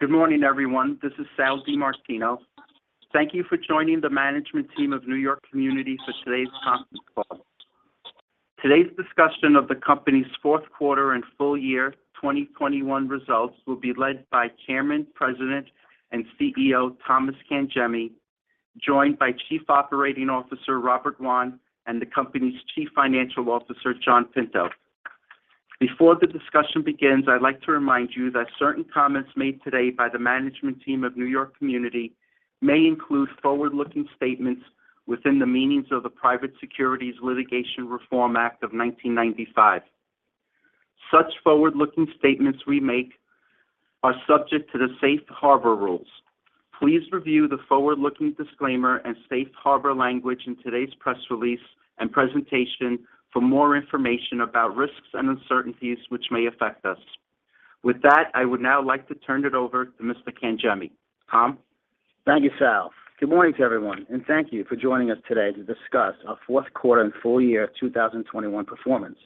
Good morning, everyone. This is Sal DiMartino. Thank you for joining the management team of New York Community for today's conference call. Today's discussion of the company's fourth quarter and full year 2021 results will be led by Chairman, President, and CEO, Thomas Cangemi, joined by Chief Operating Officer Robert Wann, and the company's Chief Financial Officer, John Pinto. Before the discussion begins, I'd like to remind you that certain comments made today by the management team of New York Community may include forward-looking statements within the meanings of the Private Securities Litigation Reform Act of 1995. Such forward-looking statements we make are subject to the safe harbor rules. Please review the forward-looking disclaimer and safe harbor language in today's press release and presentation for more information about risks and uncertainties which may affect us. With that, I would now like to turn it over to Mr. Cangemi. Tom? Thank you, Sal. Good morning to everyone, and thank you for joining us today to discuss our fourth quarter and full year 2021 performance.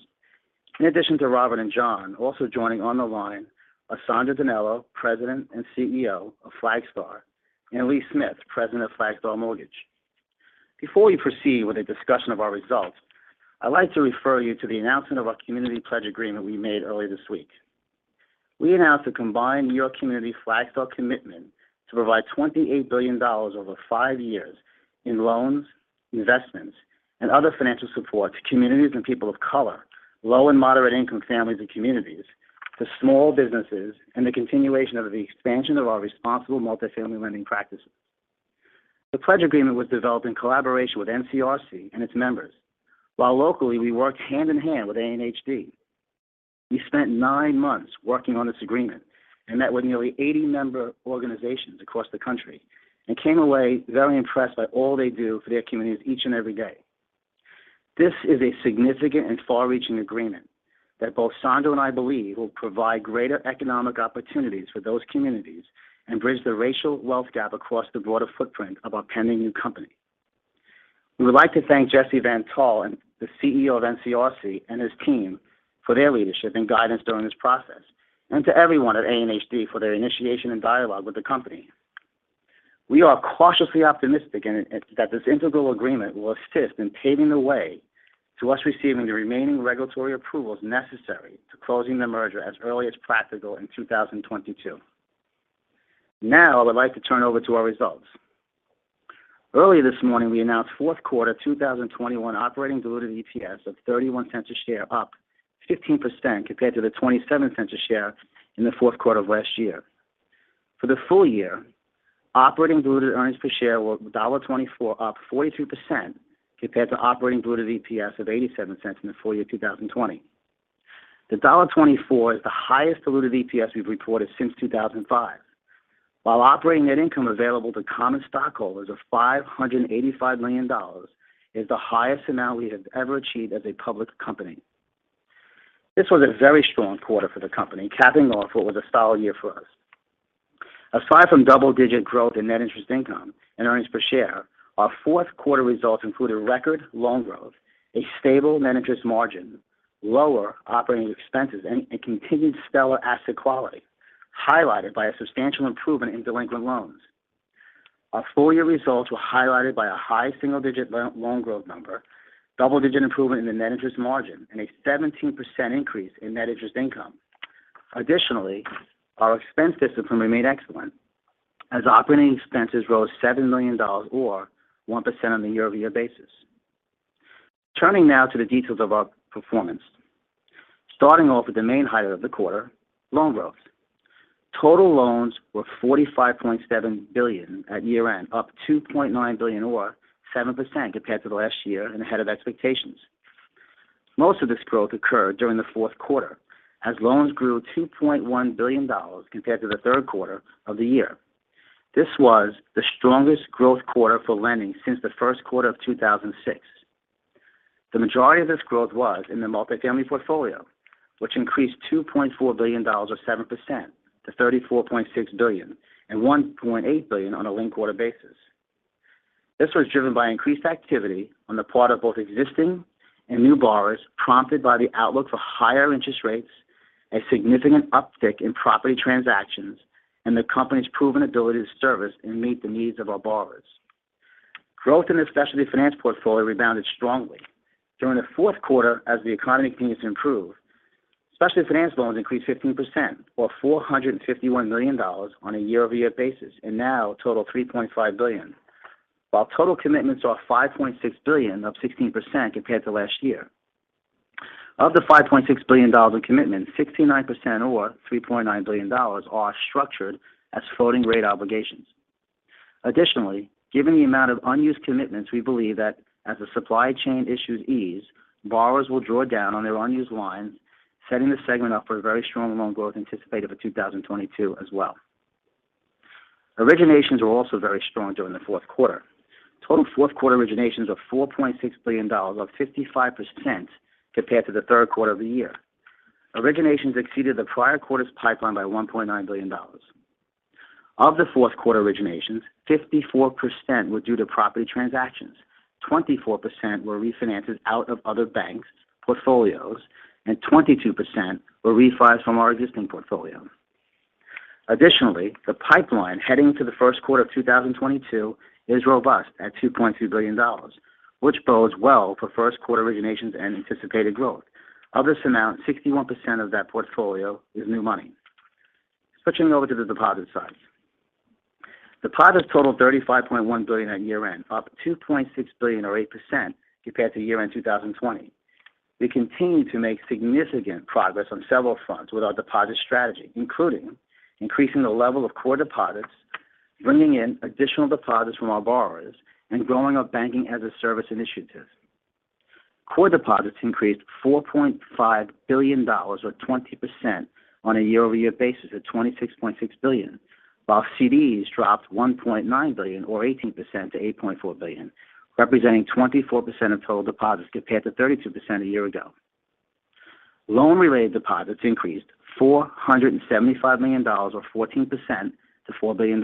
In addition to Robert and John, also joining on the line are Sandro DiNello, President and CEO of Flagstar, and Lee Smith, President of Flagstar Mortgage. Before we proceed with a discussion of our results, I'd like to refer you to the announcement of our community pledge agreement we made earlier this week. We announced a combined New York Community Flagstar commitment to provide $28 billion over 5 years in loans, investments, and other financial support to communities and people of color, low and moderate-income families and communities, to small businesses, and the continuation of the expansion of our responsible multifamily lending practices. The pledge agreement was developed in collaboration with NCRC and its members. While locally, we worked hand in hand with ANHD. We spent 9 months working on this agreement and met with nearly 80 member organizations across the country and came away very impressed by all they do for their communities each and every day. This is a significant and far-reaching agreement that both Sandro and I believe will provide greater economic opportunities for those communities and bridge the racial wealth gap across the broader footprint of our pending new company. We would like to thank Jesse Van Tol and the CEO of NCRC and his team for their leadership and guidance during this process, and to everyone at ANHD for their initiation and dialogue with the company. We are cautiously optimistic in that this interim agreement will assist in paving the way to us receiving the remaining regulatory approvals necessary to closing the merger as early as practical in 2022. Now, I would like to turn over to our results. Early this morning, we announced fourth quarter 2021 operating diluted EPS of $0.31 a share, up 15% compared to the $0.27 a share in the fourth quarter of last year. For the full year, operating diluted earnings per share were $1.24, up 42% compared to operating diluted EPS of $0.87 in the full year 2020. The $1.24 is the highest diluted EPS we've reported since 2005. While operating net income available to common stockholders of $585 million is the highest amount we have ever achieved as a public company. This was a very strong quarter for the company, capping off what was a solid year for us. Aside from double-digit growth in net interest income and earnings per share, our fourth quarter results included record loan growth, a stable net interest margin, lower operating expenses, and a continued stellar asset quality, highlighted by a substantial improvement in delinquent loans. Our full year results were highlighted by a high single-digit loan growth number, double-digit improvement in the net interest margin, and a 17% increase in net interest income. Additionally, our expense discipline remained excellent as operating expenses rose $7 million or 1% on a year-over-year basis. Turning now to the details of our performance. Starting off with the main highlight of the quarter, loan growth. Total loans were $45.7 billion at year-end, up $2.9 billion or 7% compared to last year and ahead of expectations. Most of this growth occurred during the fourth quarter as loans grew $2.1 billion compared to the third quarter of the year. This was the strongest growth quarter for lending since the first quarter of 2006. The majority of this growth was in the multifamily portfolio, which increased $2.4 billion or 7% to $34.6 billion and $1.8 billion on a linked quarter basis. This was driven by increased activity on the part of both existing and new borrowers, prompted by the outlook for higher interest rates, a significant uptick in property transactions, and the company's proven ability to service and meet the needs of our borrowers. Growth in the specialty finance portfolio rebounded strongly. During the fourth quarter as the economy continues to improve, specialty finance loans increased 15% or $451 million on a year-over-year basis, and now total $3.5 billion. While total commitments are $5.6 billion, up 16% compared to last year. Of the $5.6 billion in commitments, 69% or $3.9 billion are structured as floating rate obligations. Additionally, given the amount of unused commitments, we believe that as the supply chain issues ease, borrowers will draw down on their unused lines, setting the segment up for a very strong loan growth anticipated for 2022 as well. Originations were also very strong during the fourth quarter. Total fourth quarter originations of $4.6 billion, up 55% compared to the third quarter of the year. Originations exceeded the prior quarter's pipeline by $1.9 billion. Of the fourth quarter originations, 54% were due to property transactions. 24% were refinances out of other banks' portfolios, and 22% were refis from our existing portfolio. Additionally, the pipeline heading to the first quarter of 2022 is robust at $2.2 billion, which bodes well for first quarter originations and anticipated growth. Of this amount, 61% of that portfolio is new money. Switching over to the deposit side. Deposits totaled $35.1 billion at year-end, up $2.6 billion or 8% compared to year-end 2020. We continue to make significant progress on several fronts with our deposit strategy, including increasing the level of core deposits, bringing in additional deposits from our borrowers, and growing our banking-as-a-service initiatives. Core deposits increased $4.5 billion or 20% on a year-over-year basis at $26.6 billion, while CDs dropped $1.9 billion or 18% to $8.4 billion, representing 24% of total deposits compared to 32% a year ago. Loan-related deposits increased $475 million or 14% to $4 billion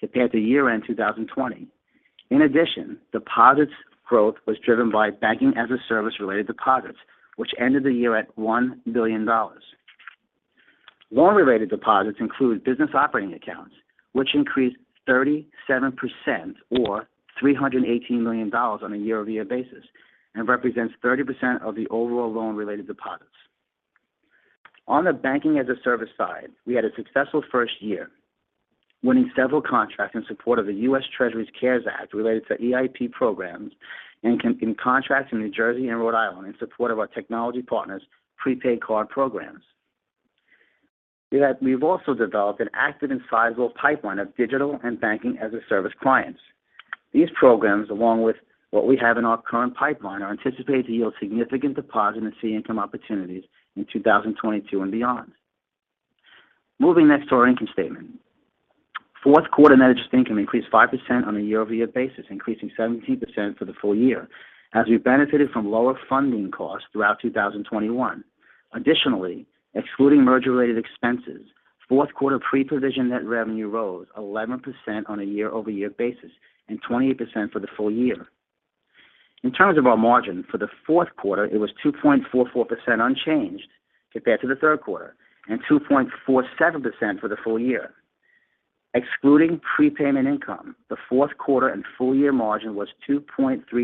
compared to year-end 2020. In addition, deposits growth was driven by banking-as-a-service related deposits, which ended the year at $1 billion. Loan-related deposits include business operating accounts, which increased 37% or $318 million on a year-over-year basis and represents 30% of the overall loan-related deposits. On the banking-as-a-service side, we had a successful first year, winning several contracts in support of the U.S. Treasury's CARES Act related to EIP programs and continuing contracts in New Jersey and Rhode Island in support of our technology partners' prepaid card programs. We've also developed an active and sizable pipeline of digital and banking-as-a-service clients. These programs, along with what we have in our current pipeline, are anticipated to yield significant deposit and fee income opportunities in 2022 and beyond. Moving next to our income statement. Fourth quarter net interest income increased 5% on a year-over-year basis, increasing 17% for the full year as we benefited from lower funding costs throughout 2021. Additionally, excluding merger-related expenses, fourth quarter pre-provision net revenue rose 11% on a year-over-year basis and 28% for the full year. In terms of our margin, for the fourth quarter, it was 2.44% unchanged compared to the third quarter and 2.47% for the full year. Excluding prepayment income, the fourth quarter and full year margin was 2.32%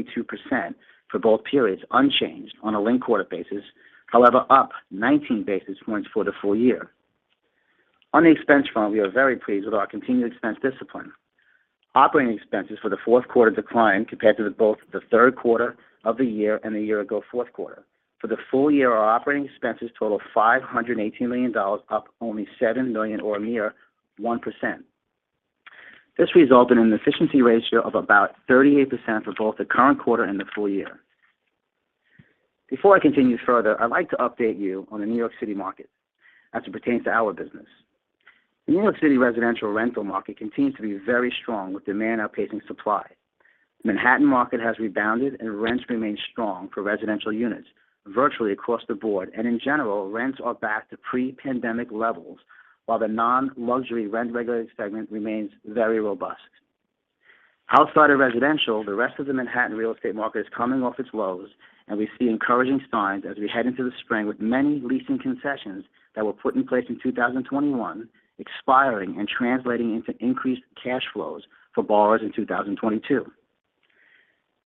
for both periods, unchanged on a linked-quarter basis, however up 19 basis points for the full year. On the expense front, we are very pleased with our continued expense discipline. Operating expenses for the fourth quarter declined compared to both the third quarter of the year and the year-ago fourth quarter. For the full year, our operating expenses totaled $518 million, up only $7 million or a mere 1%. This resulted in an efficiency ratio of about 38% for both the current quarter and the full year. Before I continue further, I'd like to update you on the New York City market as it pertains to our business. The New York City residential rental market continues to be very strong with demand outpacing supply. The Manhattan market has rebounded and rents remain strong for residential units virtually across the board. In general, rents are back to pre-pandemic levels, while the non-luxury rent-regulated segment remains very robust. Outside of residential, the rest of the Manhattan real estate market is coming off its lows, and we see encouraging signs as we head into the spring with many leasing concessions that were put in place in 2021 expiring and translating into increased cash flows for borrowers in 2022.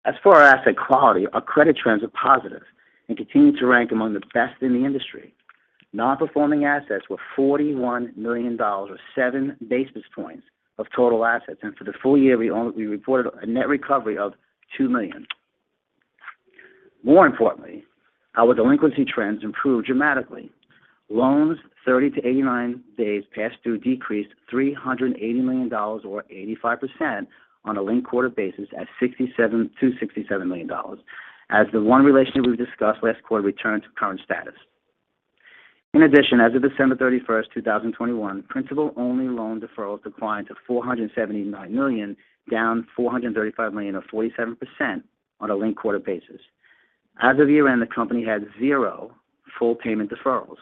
As for our asset quality, our credit trends are positive and continue to rank among the best in the industry. Non-performing assets were $41 million or 7 basis points of total assets, and for the full year, we reported a net recovery of $2 million. More importantly, our delinquency trends improved dramatically. Loans 30-89 days past due decreased $380 million or 85% on a linked-quarter basis to $67 million as the one relationship we've discussed last quarter returned to current status. In addition, as of December 31, 2021, principal-only loan deferrals declined to $479 million, down $435 million or 47% on a linked-quarter basis. As of year-end, the company had zero full payment deferrals.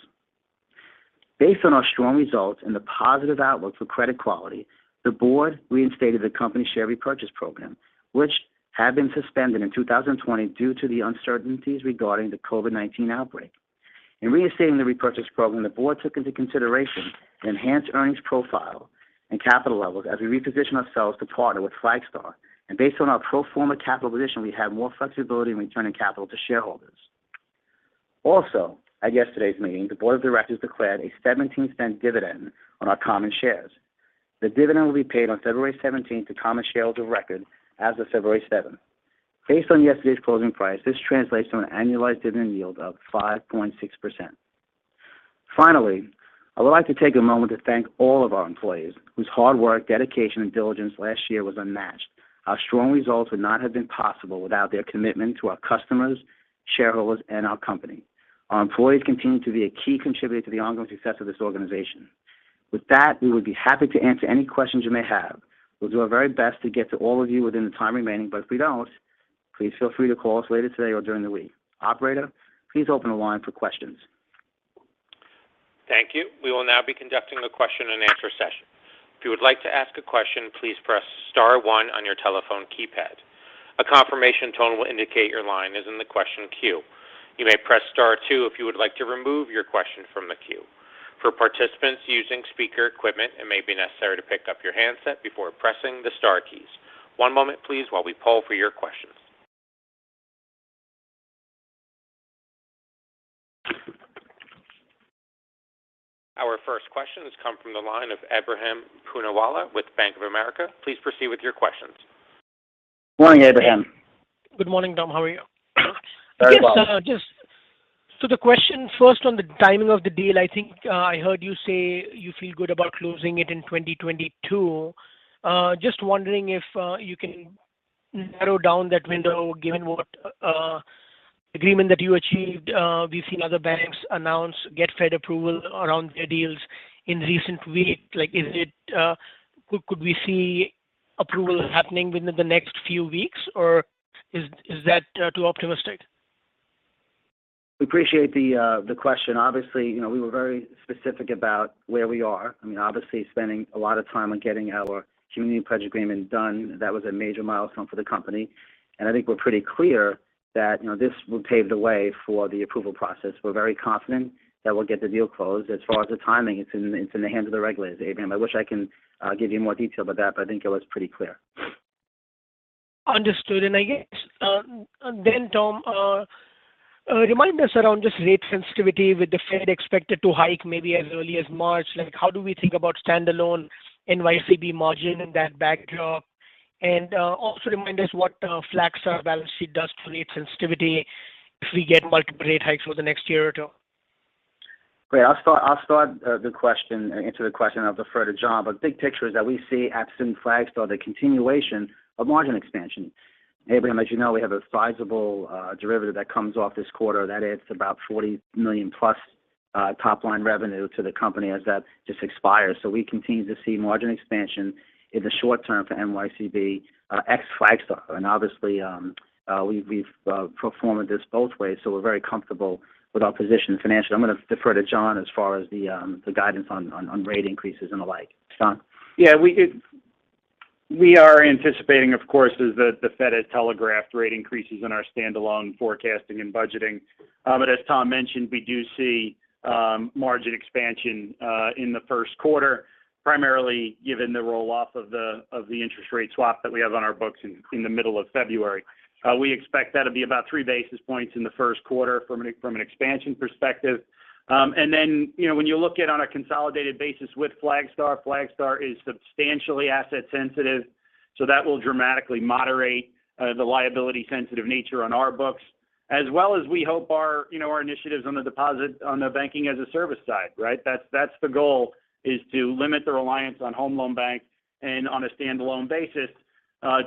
Based on our strong results and the positive outlook for credit quality, the board reinstated the company's share repurchase program, which had been suspended in 2020 due to the uncertainties regarding the COVID-19 outbreak. In reinstating the repurchase program, the board took into consideration the enhanced earnings profile and capital levels as we reposition ourselves to partner with Flagstar. Based on our pro forma capital position, we have more flexibility in returning capital to shareholders. At yesterday's meeting, the board of directors declared a $0.17 dividend on our common shares. The dividend will be paid on February 17 to common shareholders of record as of February 7. Based on yesterday's closing price, this translates to an annualized dividend yield of 5.6%. Finally, I would like to take a moment to thank all of our employees whose hard work, dedication, and diligence last year was unmatched. Our strong results would not have been possible without their commitment to our customers, shareholders, and our company. Our employees continue to be a key contributor to the ongoing success of this organization. With that, we would be happy to answer any questions you may have. We'll do our very best to get to all of you within the time remaining, but if we don't, please feel free to call us later today or during the week. Operator, please open the line for questions. Thank you. We will now be conducting the question and answer session. If you would like to ask a question, please press star one on your telephone keypad. A confirmation tone will indicate your line is in the question queue. You may press star two if you would like to remove your question from the queue. For participants using speaker equipment, it may be necessary to pick up your handset before pressing the star keys. One moment please while we poll for your questions. Our first question has come from the line of Ebrahim Poonawala with Bank of America. Please proceed with your questions. Morning, Ebrahim. Good morning, Tom. How are you? Very well. Yes. Just so the question first on the timing of the deal, I think, I heard you say you feel good about closing it in 2022. Just wondering if you can narrow down that window given what agreement that you achieved. We've seen other banks announce, get Fed approval around their deals in recent weeks. Like, is it, could we see approval happening within the next few weeks or is that too optimistic? We appreciate the question. Obviously, you know, we were very specific about where we are. I mean, obviously spending a lot of time on getting our community pledge agreement done, that was a major milestone for the company. I think we're pretty clear that, you know, this will pave the way for the approval process. We're very confident that we'll get the deal closed. As far as the timing, it's in the hands of the regulators, Ebrahim. I wish I can give you more detail about that, but I think it was pretty clear. Understood. I guess, Tom, remind us around just rate sensitivity with the Fed expected to hike maybe as early as March. Like how do we think about standalone NYCB margin in that backdrop? Also remind us what Flagstar balance sheet does for rate sensitivity if we get multiple rate hikes over the next year or two. Great. I'll start to answer the question. I'll defer to John. Big picture is that we see absent Flagstar, the continuation of margin expansion. Ebrahim, as you know, we have a sizable derivative that comes off this quarter that adds about $40 million plus top line revenue to the company as that just expires. We continue to see margin expansion in the short term for NYCB ex Flagstar. Obviously, we've performed this both ways, so we're very comfortable with our position financially. I'm gonna defer to John as far as the guidance on rate increases and the like. John? Yeah. We are anticipating, of course, as the Fed has telegraphed rate increases in our standalone forecasting and budgeting. But as Tom mentioned, we do see margin expansion in the first quarter, primarily given the roll-off of the interest rate swap that we have on our books in the middle of February. We expect that to be about 3 basis points in the first quarter from an expansion perspective. And then, you know, when you look at on a consolidated basis with Flagstar is substantially asset sensitive, so that will dramatically moderate the liability sensitive nature on our books. As well as we hope our, you know, our initiatives on the deposit on the Banking-as-a-Service side, right? That's the goal, is to limit the reliance on home loan banks and on a standalone basis,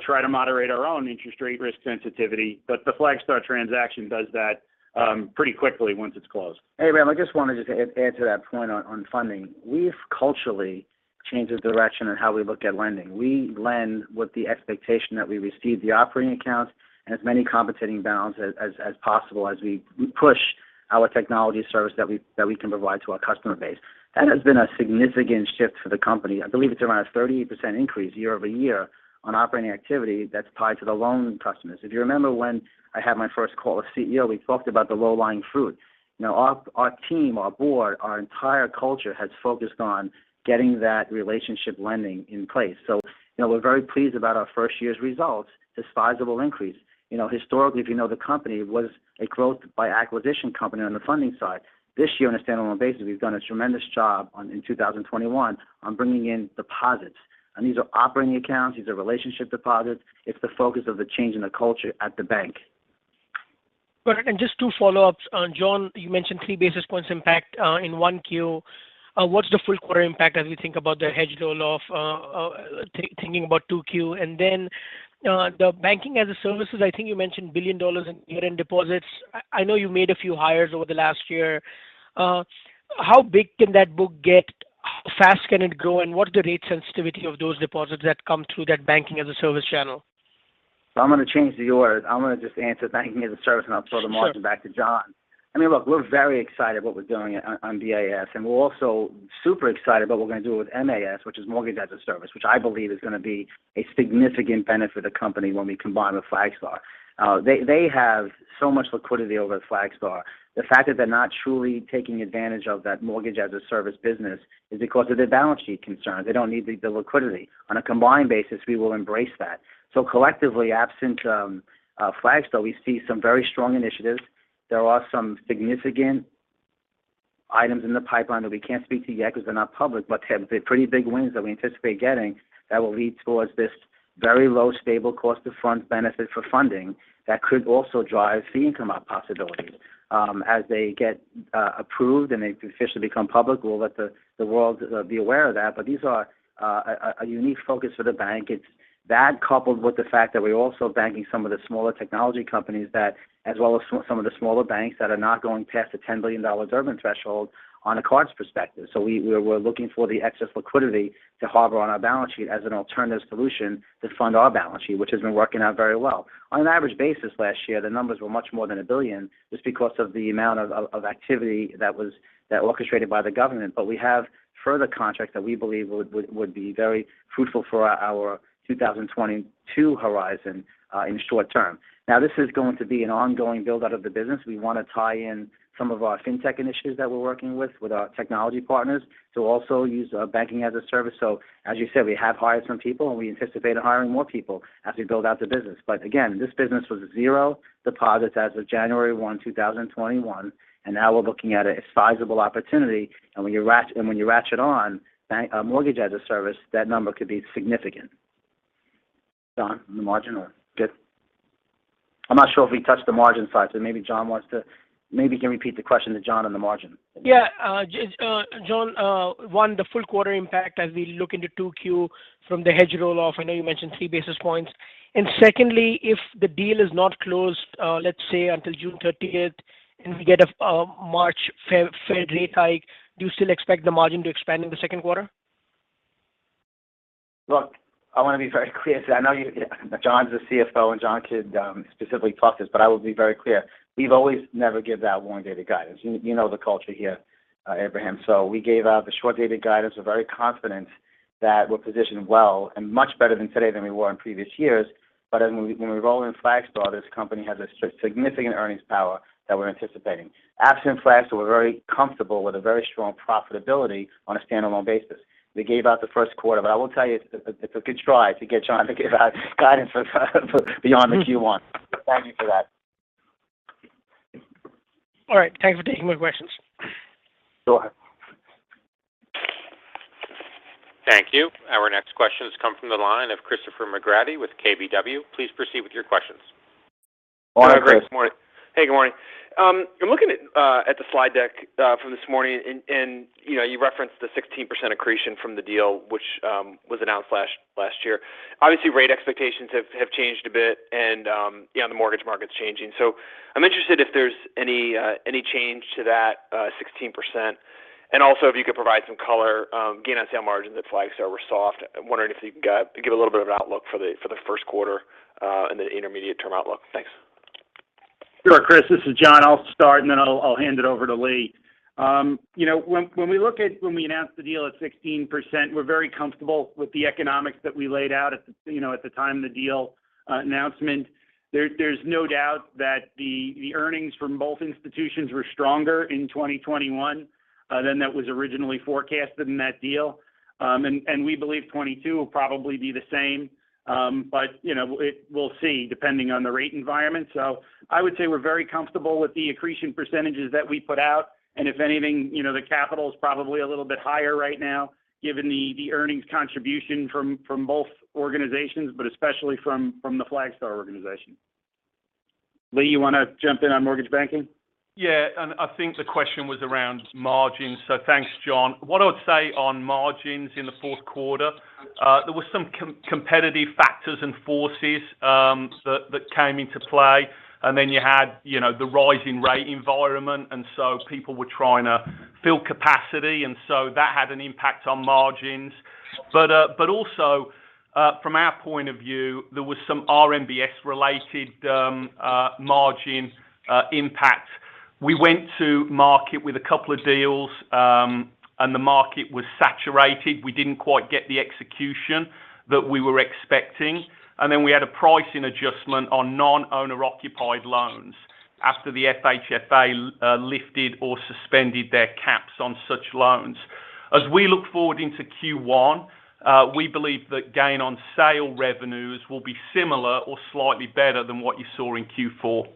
try to moderate our own interest rate risk sensitivity. The Flagstar transaction does that pretty quickly once it's closed. Ebrahim, I just wanted to add to that point on funding. We've culturally changed the direction on how we look at lending. We lend with the expectation that we receive the operating accounts and as many compensating balances as possible as we push our technology service that we can provide to our customer base. That has been a significant shift for the company. I believe it's around a 38% increase year-over-year on operating activity that's tied to the loan customers. If you remember when I had my first call as CEO, we talked about the low-hanging fruit. You know, our team, our board, our entire culture has focused on getting that relationship lending in place. You know, we're very pleased about our first year's results, this sizable increase. You know, historically, if you know the company, it was a growth by acquisition company on the funding side. This year on a standalone basis, we've done a tremendous job in 2021 on bringing in deposits. These are operating accounts, these are relationship deposits. It's the focus of the change in the culture at the bank. Great. Just two follow-ups. John, you mentioned 3 basis points impact in 1Q. What's the full quarter impact as we think about the hedge roll-off, thinking about 2Q? The banking-as-a-service, I think you mentioned $1 billion in year-end deposits. I know you made a few hires over the last year. How big can that book get? How fast can it grow? What's the rate sensitivity of those deposits that come through that banking-as-a-service channel? I'm gonna change the order. I'm gonna just answer Banking-as-a-Service, and I'll throw the margin back to John. Sure. I mean, look, we're very excited what we're doing on BaaS, and we're also super excited what we're gonna do with MaaS, which is mortgage-as-a-service, which I believe is gonna be a significant benefit to the company when we combine with Flagstar. They have so much liquidity over at Flagstar. The fact that they're not truly taking advantage of that mortgage-as-a-service business is because of their balance sheet concerns. They don't need the liquidity. On a combined basis, we will embrace that. Collectively, absent Flagstar, we see some very strong initiatives. There are some significant items in the pipeline that we can't speak to yet because they're not public, but they're pretty big wins that we anticipate getting that will lead towards this very low, stable cost to fund benefit for funding that could also drive fee income possibilities. As they get approved and they officially become public, we'll let the world be aware of that. These are a unique focus for the bank. That coupled with the fact that we're also banking some of the smaller technology companies that as well as some of the smaller banks that are not going past the $10 billion Durbin threshold on a cards perspective. We're looking for the excess liquidity to harbor on our balance sheet as an alternative solution to fund our balance sheet, which has been working out very well. On an average basis last year, the numbers were much more than $1 billion just because of the amount of activity that was orchestrated by the government. We have further contracts that we believe would be very fruitful for our 2022 horizon, in short term. Now, this is going to be an ongoing build-out of the business. We wanna tie in some of our FinTech initiatives that we're working with our technology partners to also use, banking as a service. As you said, we have hired some people, and we anticipate hiring more people as we build out the business. Again, this business was 0 deposits as of January 1, 2021, and now we're looking at a sizable opportunity. When you ratchet on bank, mortgage as a service, that number could be significant. John, the margin or good. I'm not sure if we touched the margin side. Maybe you can repeat the question to John on the margin. John, on the full quarter impact as we look into 2Q from the hedge roll-off. I know you mentioned 3 basis points. Secondly, if the deal is not closed, let's say until June thirtieth, and we get a March Fed rate hike, do you still expect the margin to expand in the second quarter? Look, I want to be very clear because I know you, John's the CFO, and John could specifically talk to this, but I will be very clear. We've always never given long-term guidance. You know the culture here, Ebrahim. We gave out the short-term guidance. We're very confident that we're positioned well and much better today than we were in previous years. When we roll in Flagstar, this company has a significant earnings power that we're anticipating. Absent Flagstar, we're very comfortable with a very strong profitability on a standalone basis. We gave out the first quarter. I will tell you it's a good try to get John to give out guidance for beyond the Q1. Thank you for that. All right. Thanks for taking my questions. Go ahead. Thank you. Our next question has come from the line of Christopher McGratty with KBW. Please proceed with your questions. Go on, Chris. Hey, good morning. I'm looking at the slide deck from this morning and, you know, you referenced the 16% accretion from the deal which was announced last year. Obviously, rate expectations have changed a bit and, you know, the mortgage market's changing. I'm interested if there's any change to that 16%, and also if you could provide some color, gain on sale margins at Flagstar were soft. I'm wondering if you can give a little bit of an outlook for the first quarter and the intermediate-term outlook. Thanks. Sure, Chris. This is John. I'll start, and then I'll hand it over to Lee. You know, when we look at when we announced the deal at 16%, we're very comfortable with the economics that we laid out at the, you know, at the time of the deal announcement. There's no doubt that the earnings from both institutions were stronger in 2021 than that was originally forecasted in that deal. We believe 2022 will probably be the same. You know, we'll see, depending on the rate environment. I would say we're very comfortable with the accretion percentages that we put out. If anything, you know, the capital is probably a little bit higher right now given the earnings contribution from both organizations, but especially from the Flagstar organization. Lee, you wanna jump in on mortgage banking? Yeah. I think the question was around margins. Thanks, John. What I would say on margins in the fourth quarter, there was some competitive factors and forces that came into play. Then you had, you know, the rising rate environment, and so people were trying to fill capacity, and so that had an impact on margins. But also, from our point of view, there was some RMBS-related margin impact. We went to market with a couple of deals, and the market was saturated. We didn't quite get the execution that we were expecting. Then we had a pricing adjustment on non-owner-occupied loans after the FHFA lifted or suspended their caps on such loans. As we look forward into Q1, we believe that gain on sale revenues will be similar or slightly better than what you saw in Q4.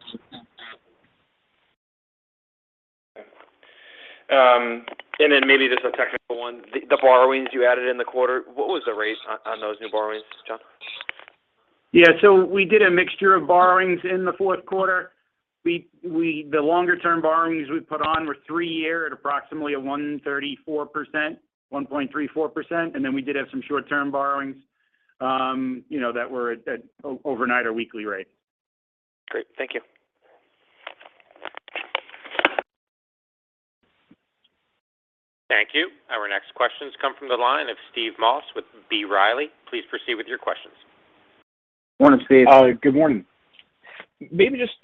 Okay. Maybe just a technical one. The borrowings you added in the quarter, what was the raise on those new borrowings, John? We did a mixture of borrowings in the fourth quarter. The longer-term borrowings we put on were three-year at approximately a 1.34%, 1.34%, and then we did have some short-term borrowings, you know, that were at overnight or weekly rate. Great. Thank you. Thank you. Our next question's come from the line of Steve Moss with B. Riley. Please proceed with your questions. Morning, Steve. Good morning. Maybe just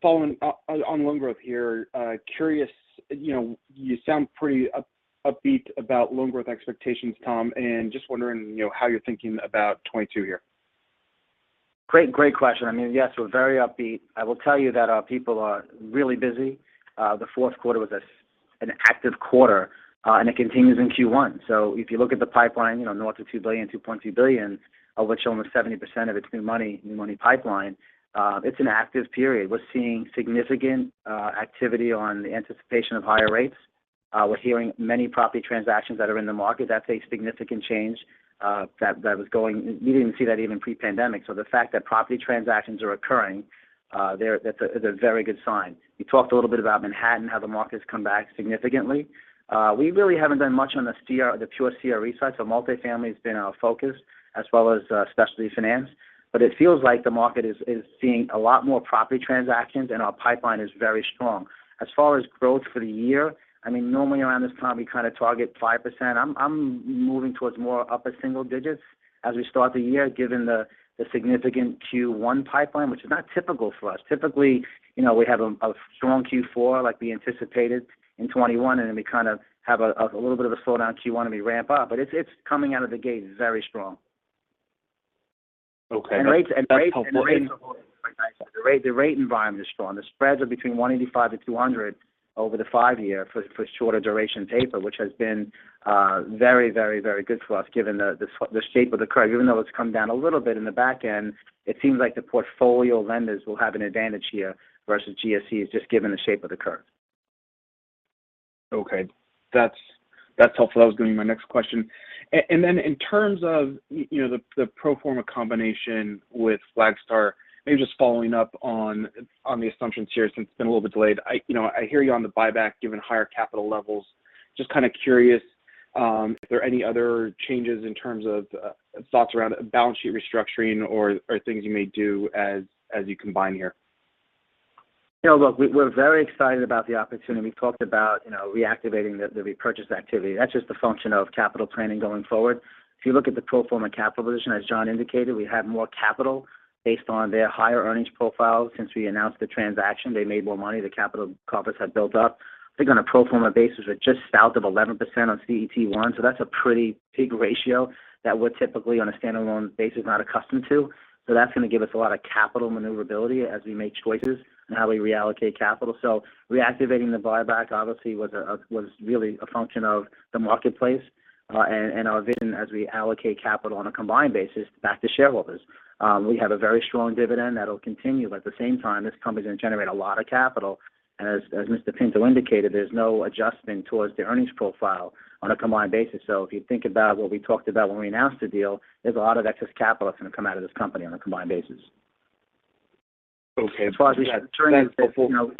following on loan growth here, curious, you know, you sound pretty upbeat about loan growth expectations, Tom, and just wondering, you know, how you're thinking about 2022 here? Great question. I mean, yes, we're very upbeat. I will tell you that our people are really busy. The fourth quarter was an active quarter, and it continues in Q1. If you look at the pipeline, you know, north of $2 billion, $2.2 billion, of which almost 70% of it is new money, new money pipeline, it's an active period. We're seeing significant activity on the anticipation of higher rates. We're hearing many property transactions that are in the market. That's a significant change that you didn't see even pre-pandemic. The fact that property transactions are occurring, they're that's a very good sign. You talked a little bit about Manhattan, how the market has come back significantly. We really haven't done much on the CRE, the pure CRE side, so multifamily has been our focus as well as, specialty finance. It feels like the market is seeing a lot more property transactions and our pipeline is very strong. As far as growth for the year, I mean, normally around this time, we kind of target 5%. I'm moving towards more upper single digits as we start the year, given the significant Q1 pipeline, which is not typical for us. Typically, you know, we have a strong Q4 like we anticipated in 2021, and then we kind of have a little bit of a slowdown in Q1 and we ramp up. It's coming out of the gate very strong. Okay. That's helpful. Rates are going. Yeah. The rate environment is strong. The spreads are between 185-200 over the 5-year for shorter duration paper, which has been very good for us given the shape of the curve. Even though it's come down a little bit in the back end, it seems like the portfolio lenders will have an advantage here versus GSE just given the shape of the curve. Okay. That's helpful. That was gonna be my next question. Then in terms of you know the pro forma combination with Flagstar, maybe just following up on the assumptions here since it's been a little bit delayed. You know, I hear you on the buyback given higher capital levels. Just kind of curious if there are any other changes in terms of thoughts around balance sheet restructuring or things you may do as you combine here. Yeah, look, we're very excited about the opportunity. We talked about, you know, reactivating the repurchase activity. That's just a function of capital planning going forward. If you look at the pro forma capital position, as John indicated, we have more capital based on their higher earnings profile. Since we announced the transaction, they made more money, the capital buffers have built up. I think on a pro forma basis, we're just south of 11% on CET1, so that's a pretty big ratio that we're typically on a standalone basis not accustomed to. That's going to give us a lot of capital maneuverability as we make choices on how we reallocate capital. Reactivating the buyback obviously was really a function of the marketplace, and our vision as we allocate capital on a combined basis back to shareholders. We have a very strong dividend that'll continue. At the same time, this company is going to generate a lot of capital. As Mr. Pinto indicated, there's no adjustment towards the earnings profile on a combined basis. If you think about what we talked about when we announced the deal, there's a lot of excess capital that's going to come out of this company on a combined basis. Okay. As far as returning. That's helpful. You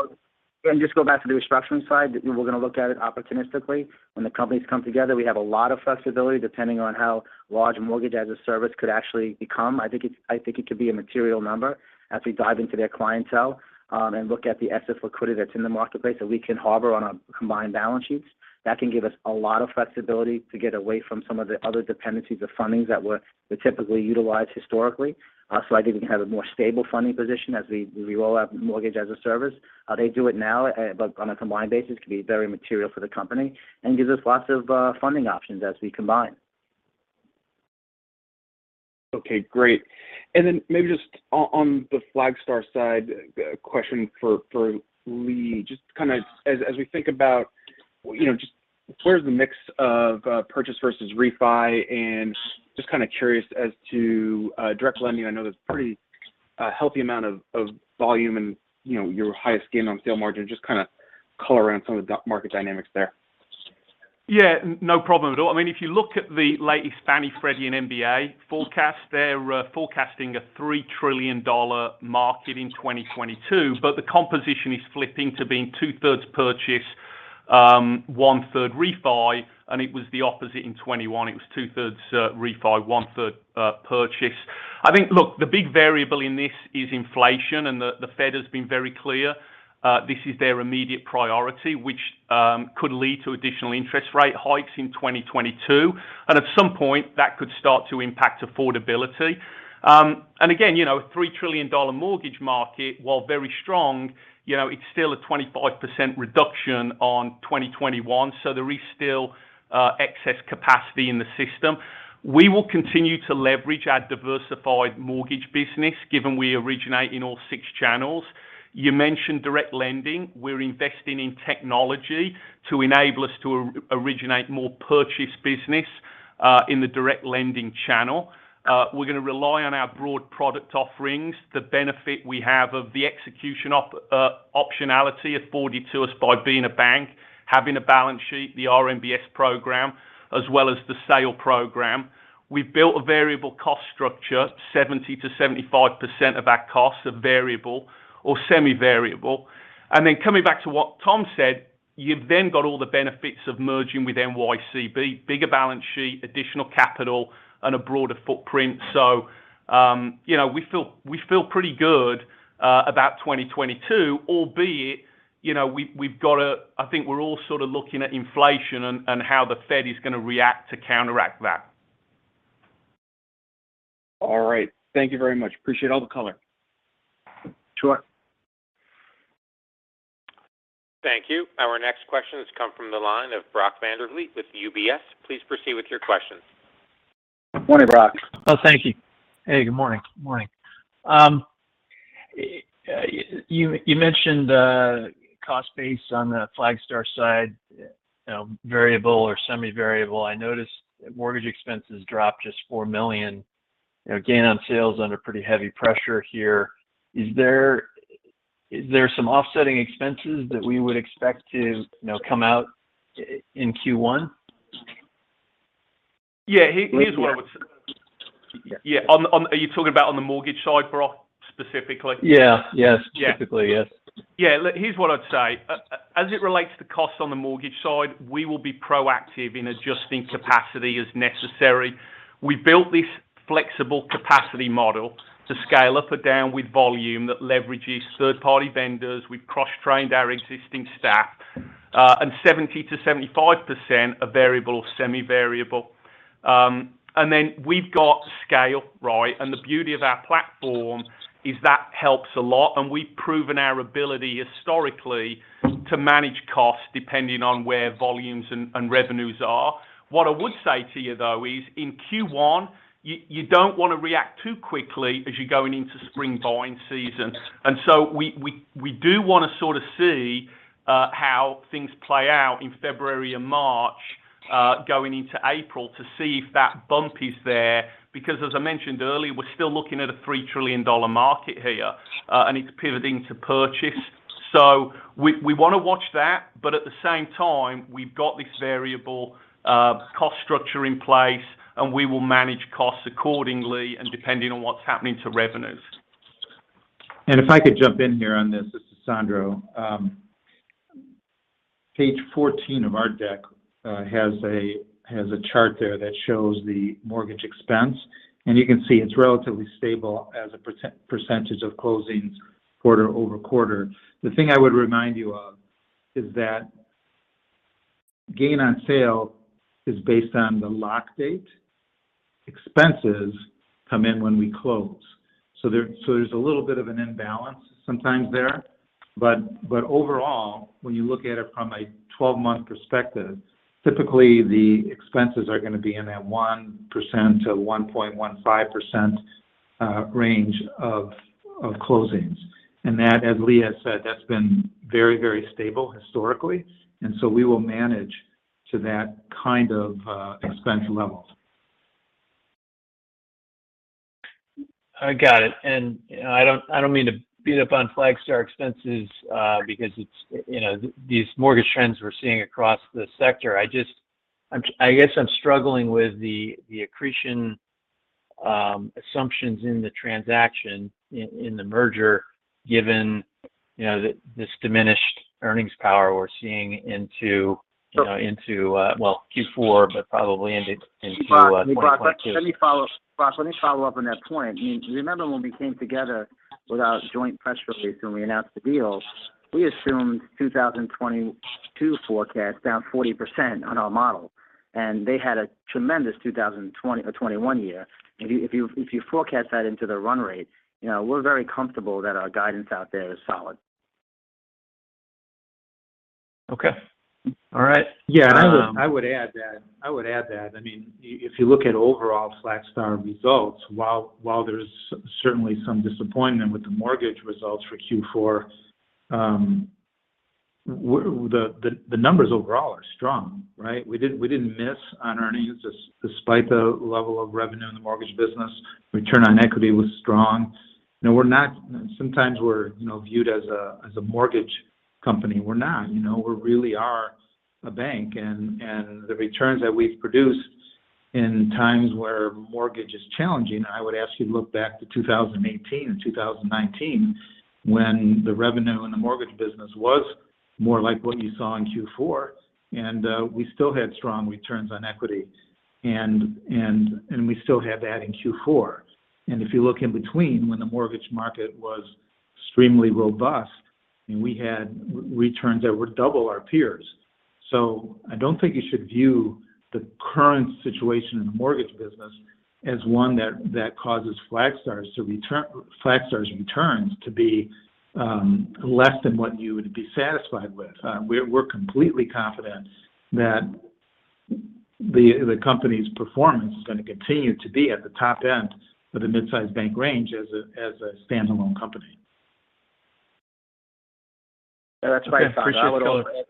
know, look, again, just go back to the restructuring side. We're going to look at it opportunistically. When the companies come together, we have a lot of flexibility depending on how large mortgage as a service could actually become. I think it could be a material number as we dive into their clientele, and look at the excess liquidity that's in the marketplace that we can harness on our combined balance sheets. That can give us a lot of flexibility to get away from some of the other dependencies of fundings that we typically utilize historically. I think we can have a more stable funding position as we roll out mortgage as a service. They do it now, but on a combined basis could be very material for the company and gives us lots of funding options as we combine. Okay, great. Maybe just on the Flagstar side, a question for Lee. Just kind of as we think about, you know, just where's the mix of purchase versus refi, and just kind of curious as to direct lending. I know there's a pretty healthy amount of volume and, you know, your highest gain on sale margin. Just kind of color around some of the market dynamics there. Yeah, no problem at all. I mean, if you look at the latest Fannie Mae, Freddie Mac, and MBA forecast, they're forecasting a $3 trillion market in 2022, but the composition is flipping to being 2/3 purchase, 1/3 refi, and it was the opposite in 2021. It was 2/3 refi, 1/3 purchase. I think, look, the big variable in this is inflation, and the Fed has been very clear, this is their immediate priority, which could lead to additional interest rate hikes in 2022. At some point, that could start to impact affordability. Again, you know, $3 trillion mortgage market, while very strong, you know, it's still a 25% reduction on 2021, so there is still excess capacity in the system. We will continue to leverage our diversified mortgage business given we originate in all six channels. You mentioned direct lending. We're investing in technology to enable us to originate more purchase business in the direct lending channel. We're gonna rely on our broad product offerings, the benefit we have of the execution optionality afforded to us by being a bank, having a balance sheet, the RMBS program, as well as the sale program. We've built a variable cost structure. 70%-75% of our costs are variable or semi-variable. Then coming back to what Tom said, you've then got all the benefits of merging with NYCB, bigger balance sheet, additional capital, and a broader footprint. You know, we feel pretty good about 2022, albeit you know, I think we're all sort of looking at inflation and how the Fed is going to react to counteract that. All right. Thank you very much. Appreciate all the color. Sure. Thank you. Our next question has come from the line of Brock Vandervliet with UBS. Please proceed with your question. Morning, Brock. Oh, thank you. Hey, good morning. Good morning. You mentioned the cost base on the Flagstar side, you know, variable or semi-variable. I noticed mortgage expenses dropped just $4 million- Gain on sales under pretty heavy pressure here. Is there some offsetting expenses that we would expect to, you know, come out in Q1? Yeah. Lee Here's what I would say. Yeah. Yeah. Are you talking about on the mortgage side, Brock, specifically? Yeah. Yes. Yeah. Specifically, yes. Yeah. Look, here's what I'd say. As it relates to costs on the mortgage side, we will be proactive in adjusting capacity as necessary. We built this flexible capacity model to scale up or down with volume that leverages third party vendors. We've cross-trained our existing staff, and 70%-75% are variable or semi-variable. And then we've got scale, right? And the beauty of our platform is that helps a lot, and we've proven our ability historically to manage costs depending on where volumes and revenues are. What I would say to you though is, in Q1, you don't want to react too quickly as you're going into spring buying season. We do want to sort of see how things play out in February and March, going into April to see if that bump is there. Because as I mentioned earlier, we're still looking at a $3 trillion market here, and it's pivoting to purchase. We want to watch that. At the same time, we've got this variable cost structure in place, and we will manage costs accordingly and depending on what's happening to revenues. If I could jump in here on this. This is Sandro. Page 14 of our deck has a chart there that shows the mortgage expense. You can see it's relatively stable as a percentage of closings quarter-over-quarter. The thing I would remind you of is that gain on sale is based on the lock date. Expenses come in when we close, so there's a little bit of an imbalance sometimes there. Overall, when you look at it from a 12-month perspective, typically the expenses are gonna be in a 1%-1.15% range of closings. That, as Lee has said, that's been very stable historically, and we will manage to that kind of expense level. I got it. You know, I don't mean to beat up on Flagstar expenses, because it's, you know, these mortgage trends we're seeing across the sector. I just, I guess, I'm struggling with the accretion assumptions in the transaction in the merger given, you know, this diminished earnings power we're seeing into- So- You know, into well, Q4, but probably into 2022. Brock, let me follow up on that point. I mean, remember when we came together with our joint press release when we announced the deal, we assumed 2022 forecast down 40% on our model, and they had a tremendous 2020 or 2021 year. If you forecast that into the run rate, you know, we're very comfortable that our guidance out there is solid. Okay. All right. Yeah, I would add that. I mean, if you look at overall Flagstar results, while there's certainly some disappointment with the mortgage results for Q4, well, the numbers overall are strong, right? We didn't miss on earnings despite the level of revenue in the mortgage business. Return on equity was strong. You know, we're not. Sometimes we're, you know, viewed as a mortgage company. We're not. You know? We really are a bank. The returns that we've produced in times where mortgage is challenging, I would ask you to look back to 2018 and 2019, when the revenue in the mortgage business was more like what you saw in Q4, and we still had strong returns on equity. We still have that in Q4. If you look in between when the mortgage market was extremely robust and we had returns that were double our peers. I don't think you should view the current situation in the mortgage business as one that causes Flagstar's returns to be less than what you would be satisfied with. We're completely confident that the company's performance is gonna continue to be at the top end of the midsize bank range as a standalone company. Yeah, that's right, Brock. Okay. I appreciate you both.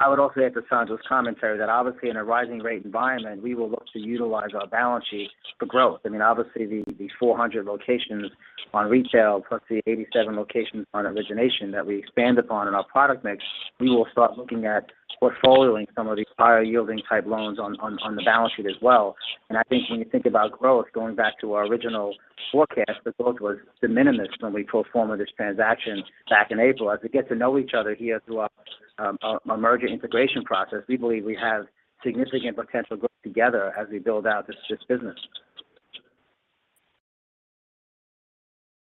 I would also add to Sandro's commentary that obviously in a rising rate environment, we will look to utilize our balance sheet for growth. I mean, obviously the 400 locations on retail plus the 87 locations on origination that we expand upon in our product mix, we will start looking at portfolio-ing some of these higher yielding type loans on the balance sheet as well. I think when you think about growth, going back to our original forecast, the growth was de minimis when we pro forma'd this transaction back in April. As we get to know each other here through our merger integration process, we believe we have significant potential growth together as we build out this business.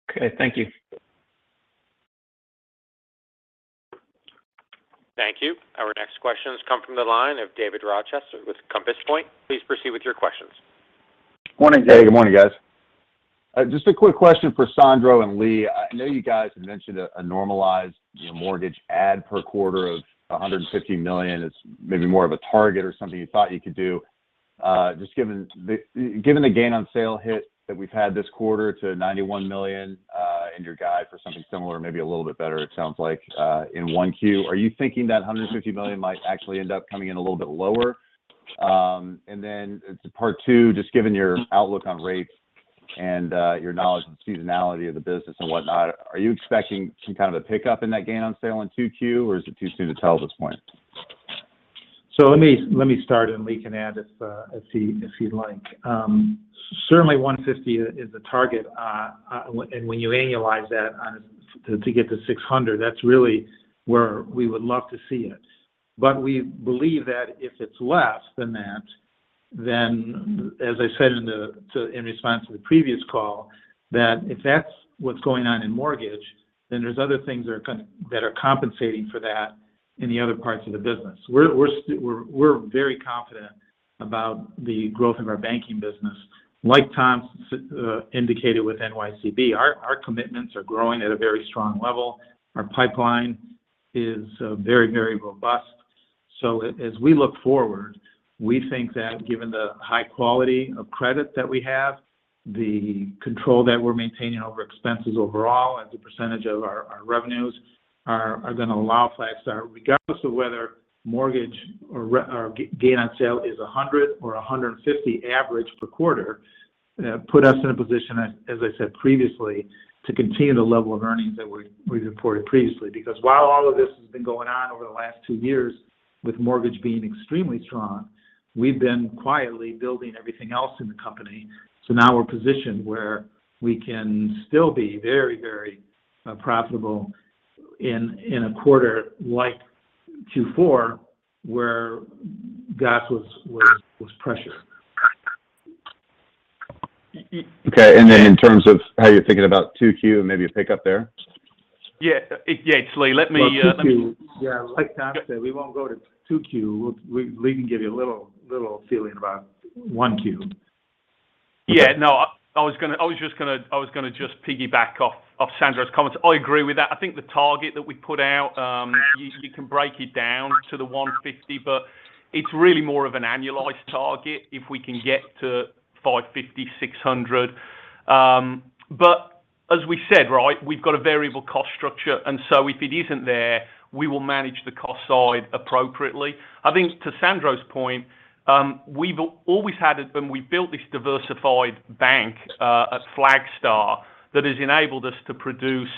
Okay. Thank you. Thank you. Our next questions come from the line of David Rochester with Compass Point. Please proceed with your questions. Morning, Dave. Morning, guys. Just a quick question for Sandro and Lee. I know you guys have mentioned a normalized, you know, mortgage add per quarter of $150 million. It's maybe more of a target or something you thought you could do. Just given the gain on sale hit that we've had this quarter to $91 million. Your guide for something similar, maybe a little bit better, it sounds like, in 1Q. Are you thinking that $150 million might actually end up coming in a little bit lower? Part two, just given your outlook on rates and your knowledge of seasonality of the business and whatnot, are you expecting some kind of a pickup in that gain on sale in 2Q, or is it too soon to tell at this point? Let me start and Lee can add if he'd like. Certainly $150 is the target. And when you annualize that to get to $600, that's really where we would love to see it. But we believe that if it's less than that, then as I said in response to the previous call, that if that's what's going on in mortgage, then there's other things that are compensating for that in the other parts of the business. We're very confident about the growth of our banking business. Like Tom indicated with NYCB, our commitments are growing at a very strong level. Our pipeline is very robust. As we look forward, we think that given the high quality of credit that we have, the control that we're maintaining over expenses overall as a percentage of our revenues are gonna allow Flagstar, regardless of whether mortgage or gain on sale is 100 or 150 average per quarter, put us in a position as I said previously, to continue the level of earnings that we've reported previously. Because while all of this has been going on over the last two years with mortgage being extremely strong, we've been quietly building everything else in the company. Now we're positioned where we can still be very, very profitable in a quarter like 2024, where gains was pressure. Okay. In terms of how you're thinking about 2Q, maybe a pickup there? Yeah. Yeah, Lee, let me, Well, 2Q. Yeah. Like Tom said, we won't go to 2Q. We can give you a little feeling about 1Q. Yeah. No. I was just gonna piggyback off Sandro's comments. I agree with that. I think the target that we put out, you can break it down to the $150, but it's really more of an annualized target if we can get to $550-$600. But as we said, right, we've got a variable cost structure, and so if it isn't there, we will manage the cost side appropriately. I think to Sandro's point, we've always had it when we built this diversified bank at Flagstar that has enabled us to produce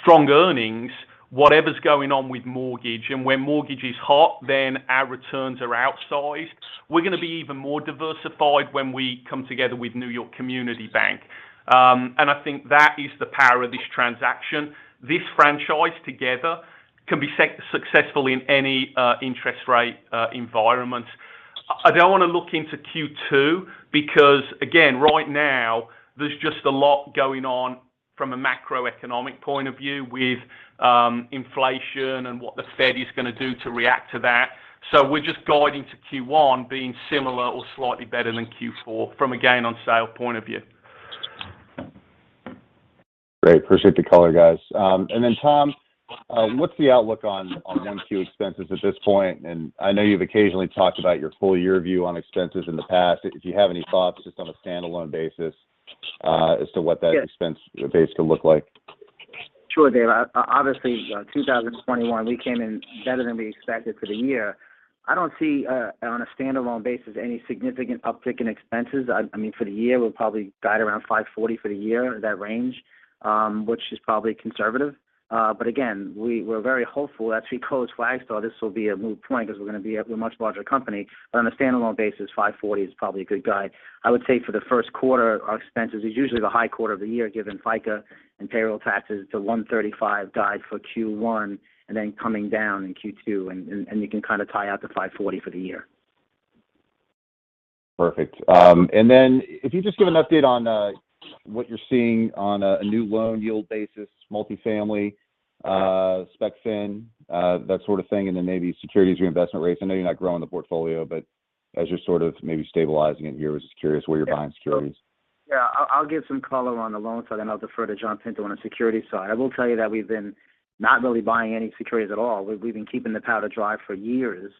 strong earnings, whatever's going on with mortgage. When mortgage is hot, then our returns are outsized. We're gonna be even more diversified when we come together with New York Community Bank. I think that is the power of this transaction. This franchise together can be successful in any interest rate environment. I don't wanna look into Q2 because again, right now, there's just a lot going on from a macroeconomic point of view with inflation and what the Fed is gonna do to react to that. We're just guiding to Q1 being similar or slightly better than Q4 from a gain on sale point of view. Great. Appreciate the color, guys. Tom, what's the outlook on NYCB expenses at this point? I know you've occasionally talked about your full year view on expenses in the past. If you have any thoughts just on a standalone basis, as to what that- Yes expense base could look like. Sure, Dave. Obviously, 2021, we came in better than we expected for the year. I don't see, on a standalone basis, any significant uptick in expenses. I mean, for the year, we'll probably guide around $540 for the year, that range, which is probably conservative. Again, we're very hopeful. Actually, post-Flagstar this will be a moot point 'cause we're gonna be a much larger company. On a standalone basis, $540 is probably a good guide. I would say for the first quarter, our expenses is usually the high quarter of the year given FICA and payroll taxes to $135 guide for Q1, and then coming down in Q2, and you can kind of tie out to $540 for the year. Perfect. If you just give an update on what you're seeing on a new loan yield basis, multifamily, specialty finance, that sort of thing, and then maybe securities reinvestment rates. I know you're not growing the portfolio, but as you're sort of maybe stabilizing it here, I was just curious where you're buying securities. Yeah. I'll give some color on the loan side, and I'll defer to John Pinto on the security side. I will tell you that we've been not really buying any securities at all. We've been keeping the powder dry for years.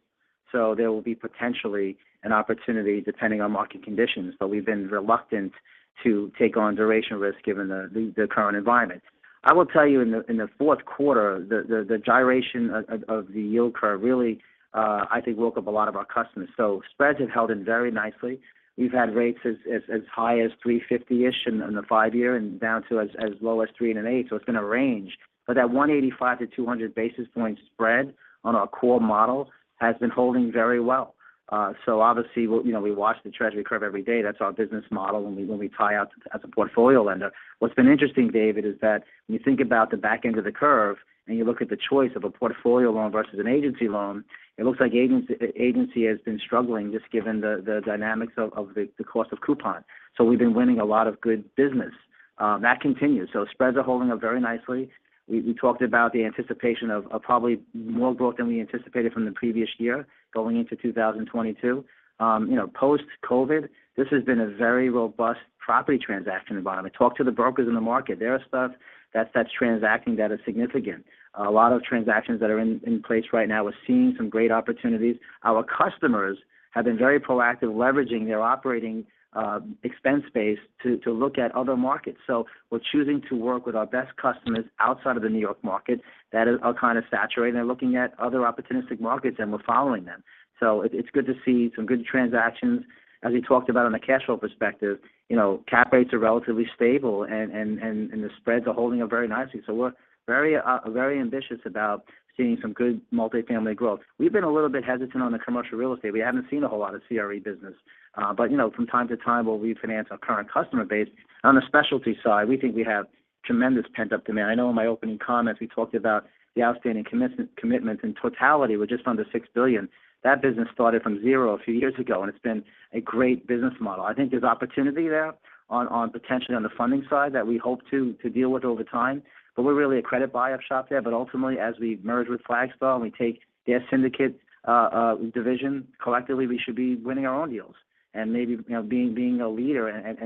There will be potentially an opportunity depending on market conditions. We've been reluctant to take on duration risk given the current environment. I will tell you in the fourth quarter, the gyration of the yield curve really I think woke up a lot of our customers. Spreads have held in very nicely. We've had rates as high as 3.50%-ish in the 5-year and down to as low as 3.125%, so it's been a range. That 185-200 basis points spread on our core model has been holding very well. So obviously, you know, we watch the Treasury curve every day. That's our business model when we tie out as a portfolio lender. What's been interesting, David, is that when you think about the back end of the curve and you look at the choice of a portfolio loan versus an agency loan, it looks like agency has been struggling just given the dynamics of the cost of coupon. So we've been winning a lot of good business. That continues. So spreads are holding up very nicely. We talked about the anticipation of probably more growth than we anticipated from the previous year going into 2022. You know, post-COVID, this has been a very robust property transaction environment. Talk to the brokers in the market. There is stuff that's transacting that is significant. A lot of transactions that are in place right now, we're seeing some great opportunities. Our customers have been very proactive leveraging their operating expense base to look at other markets. So we're choosing to work with our best customers outside of the New York market that are kind of saturated. They're looking at other opportunistic markets, and we're following them. So it's good to see some good transactions. As we talked about on the cash flow perspective, you know, cap rates are relatively stable and the spreads are holding up very nicely. So we're very ambitious about seeing some good multi-family growth. We've been a little bit hesitant on the commercial real estate. We haven't seen a whole lot of CRE business, but you know, from time to time, we'll refinance our current customer base. On the specialty side, we think we have tremendous pent-up demand. I know in my opening comments we talked about the outstanding commitment in totality were just under $6 billion. That business started from 0 a few years ago, and it's been a great business model. I think there's opportunity there on potentially on the funding side that we hope to deal with over time, but we're really a credit buyup shop there. Ultimately, as we merge with Flagstar and we take their syndicate division, collectively, we should be winning our own deals and maybe you know being a leader and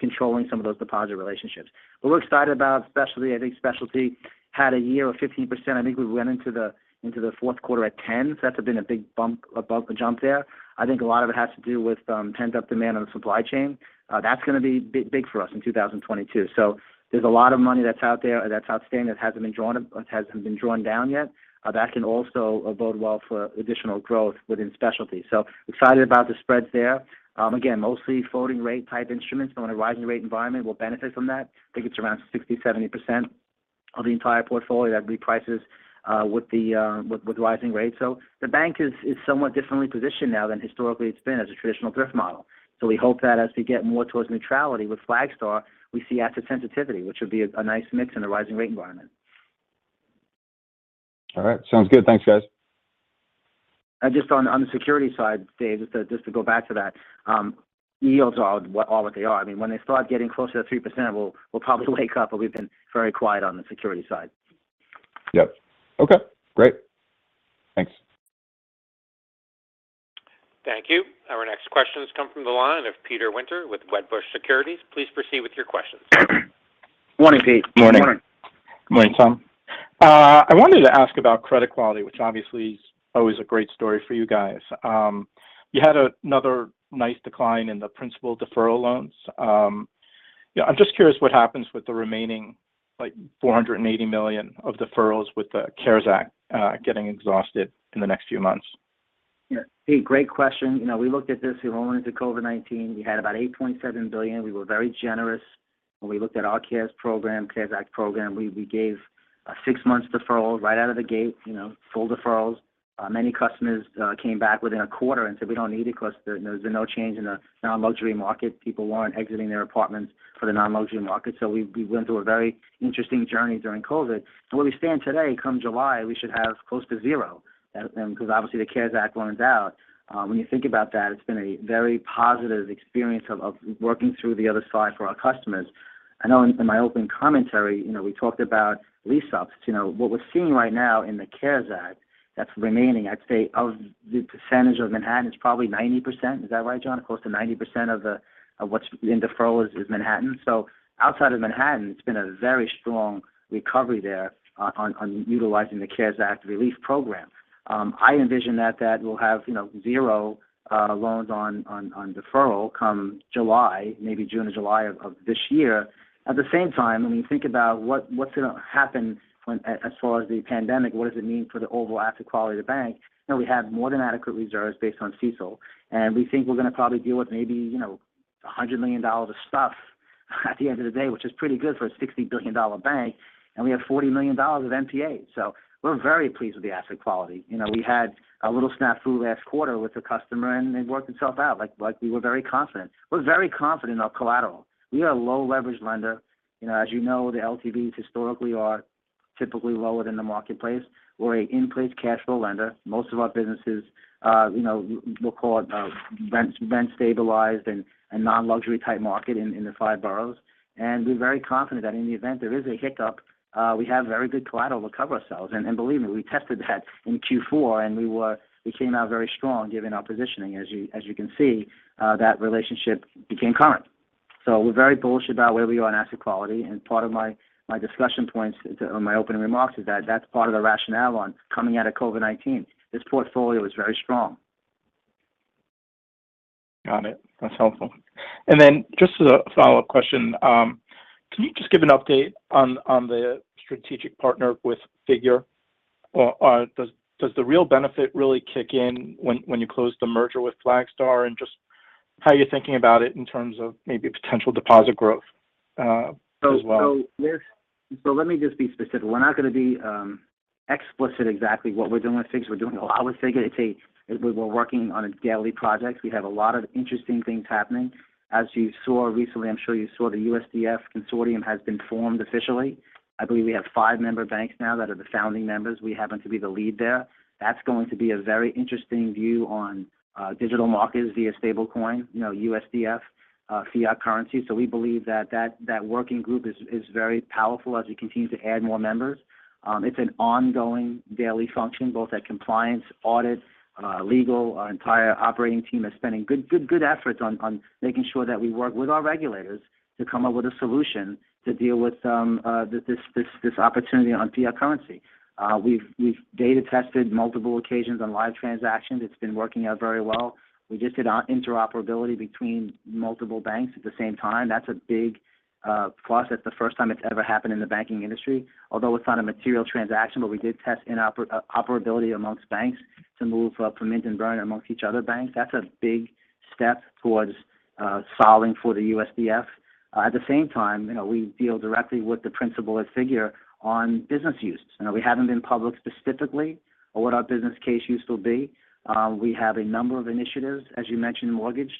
controlling some of those deposit relationships. We're excited about specialty. I think specialty had a year of 15%. I think we went into the fourth quarter at 10%, so that's been a big bump above the jump there. I think a lot of it has to do with pent-up demand on the supply chain. That's gonna be big for us in 2022. There's a lot of money that's out there that's outstanding, that hasn't been drawn, that hasn't been drawn down yet, that can also bode well for additional growth within specialty. Excited about the spreads there. Again, mostly floating rate type instruments in a rising rate environment will benefit from that. I think it's around 60%-70% of the entire portfolio that reprices with rising rates. The bank is somewhat differently positioned now than historically it's been as a traditional thrift model. We hope that as we get more towards neutrality with Flagstar, we see asset sensitivity, which would be a nice mix in the rising rate environment. All right. Sounds good. Thanks, guys. Just on the securities side, Dave, just to go back to that, yields are what they are. I mean, when they start getting closer to 3%, we'll probably wake up, but we've been very quiet on the securities side. Yep. Okay, great. Thanks. Thank you. Our next questions come from the line of Peter Winter with Wedbush Securities. Please proceed with your questions. Morning, Peter. Morning. Morning. Good morning, Tom. I wanted to ask about credit quality, which obviously is always a great story for you guys. You had another nice decline in the principal deferral loans. You know, I'm just curious what happens with the remaining, like, $480 million of deferrals with the CARES Act getting exhausted in the next few months. Yeah. Pete, great question. You know, we looked at this when we went into COVID-19. We had about $8.7 billion. We were very generous when we looked at our CARES program, CARES Act program. We gave a six months deferral right out of the gate, you know, full deferrals. Many customers came back within a quarter and said, "We don't need it," 'cause there's been no change in the non-luxury market. People weren't exiting their apartments for the non-luxury market. We went through a very interesting journey during COVID. Where we stand today, come July, we should have close to zero. 'Cause obviously the CARES Act runs out. When you think about that, it's been a very positive experience of working through the other side for our customers. I know in my opening commentary, you know, we talked about lease ups. You know, what we're seeing right now in the CARES Act that's remaining, I'd say of the percentage of Manhattan is probably 90%. Is that right, John? Close to 90% of what's in deferrals is Manhattan. Outside of Manhattan, it's been a very strong recovery there on utilizing the CARES Act relief program. I envision that that will have, you know, zero loans on deferral come July, maybe June or July of this year. At the same time, when you think about what's gonna happen when as far as the pandemic, what does it mean for the overall asset quality of the bank? You know, we have more than adequate reserves based on CECL, and we think we're gonna probably deal with maybe, you know, $100 million of stuff at the end of the day, which is pretty good for a $60 billion bank, and we have $40 million of NPA. So we're very pleased with the asset quality. You know, we had a little snafu last quarter with a customer, and it worked itself out. Like, we were very confident. We're very confident in our collateral. We are a low leverage lender. You know, as you know, the LTVs historically are typically lower than the marketplace. We're an in-place cash flow lender. Most of our businesses, you know, we'll call it, rent stabilized and non-luxury type market in the five boroughs. We're very confident that in the event there is a hiccup, we have very good collateral to recover ourselves. Believe me, we tested that in Q4, and we came out very strong given our positioning. As you can see, that relationship became current. We're very bullish about where we are on asset quality, and part of my discussion points is, or my opening remarks is that that's part of the rationale on coming out of COVID-19. This portfolio is very strong. Got it. That's helpful. Just as a follow-up question, can you just give an update on the strategic partner with Figure? Or does the real benefit really kick in when you close the merger with Flagstar, and just how you're thinking about it in terms of maybe potential deposit growth, as well? Let me just be specific. We're not gonna be explicit exactly what we're doing a lot with Figure Technologies. We're working on daily projects. We have a lot of interesting things happening. As you saw recently, I'm sure you saw the USDF Consortium has been formed officially. I believe we have five member banks now that are the founding members. We happen to be the lead there. That's going to be a very interesting view on digital markets via stablecoin, you know, USDF, fiat currency. We believe that working group is very powerful as we continue to add more members. It's an ongoing daily function, both at compliance, audit, legal. Our entire operating team is spending good efforts on making sure that we work with our regulators to come up with a solution to deal with this opportunity on fiat currency. We've data tested multiple occasions on live transactions. It's been working out very well. We just did our interoperability between multiple banks at the same time. That's a big plus. That's the first time it's ever happened in the banking industry. Although it's not a material transaction, but we did test interoperability amongst banks to move from mint and burn amongst each other banks. That's a big step towards solving for the USDF. At the same time, you know, we deal directly with the principal at Figure on business use. You know, we haven't been public specifically on what our business case use will be. We have a number of initiatives, as you mentioned, mortgage.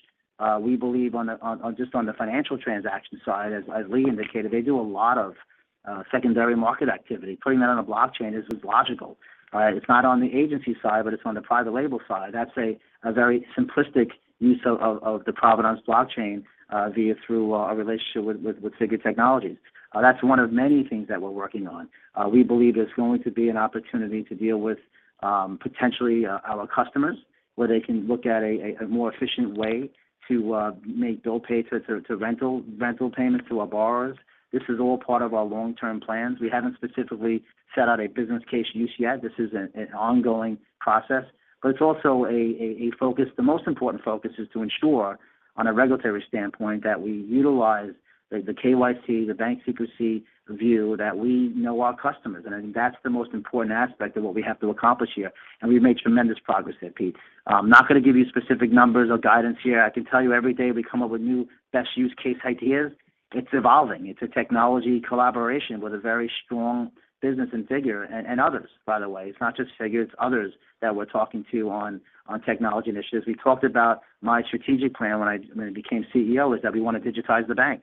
We believe on the financial transaction side, as Lee indicated, they do a lot of secondary market activity. Putting that on a blockchain was logical. It's not on the agency side, but it's on the private label side. That's a very simplistic use of the Provenance blockchain via our relationship with Figure Technologies. That's one of many things that we're working on. We believe there's going to be an opportunity to deal with potentially our customers, where they can look at a more efficient way to make bill pay to rental payments to our borrowers. This is all part of our long-term plans. We haven't specifically set out a business case use yet. This is an ongoing process, but it's also a focus. The most important focus is to ensure on a regulatory standpoint that we utilize the KYC, the Bank Secrecy Act that we know our customers. I think that's the most important aspect of what we have to accomplish here, and we've made tremendous progress there, Pete. I'm not gonna give you specific numbers or guidance here. I can tell you every day we come up with new best use case ideas. It's evolving. It's a technology collaboration with a very strong business in Figure and others, by the way. It's not just Figure. It's others that we're talking to on technology initiatives. We talked about my strategic plan when I became CEO is that we wanna digitize the bank.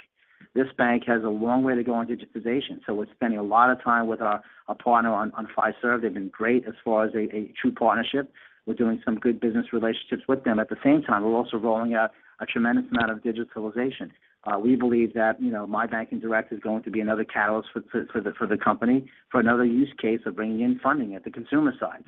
This bank has a long way to go on digitization, so we're spending a lot of time with our partner on Fiserv. They've been great as far as a true partnership. We're doing some good business relationships with them. At the same time, we're also rolling out a tremendous amount of digitalization. We believe that, you know, My Banking Direct is going to be another catalyst for the company for another use case of bringing in funding at the consumer side.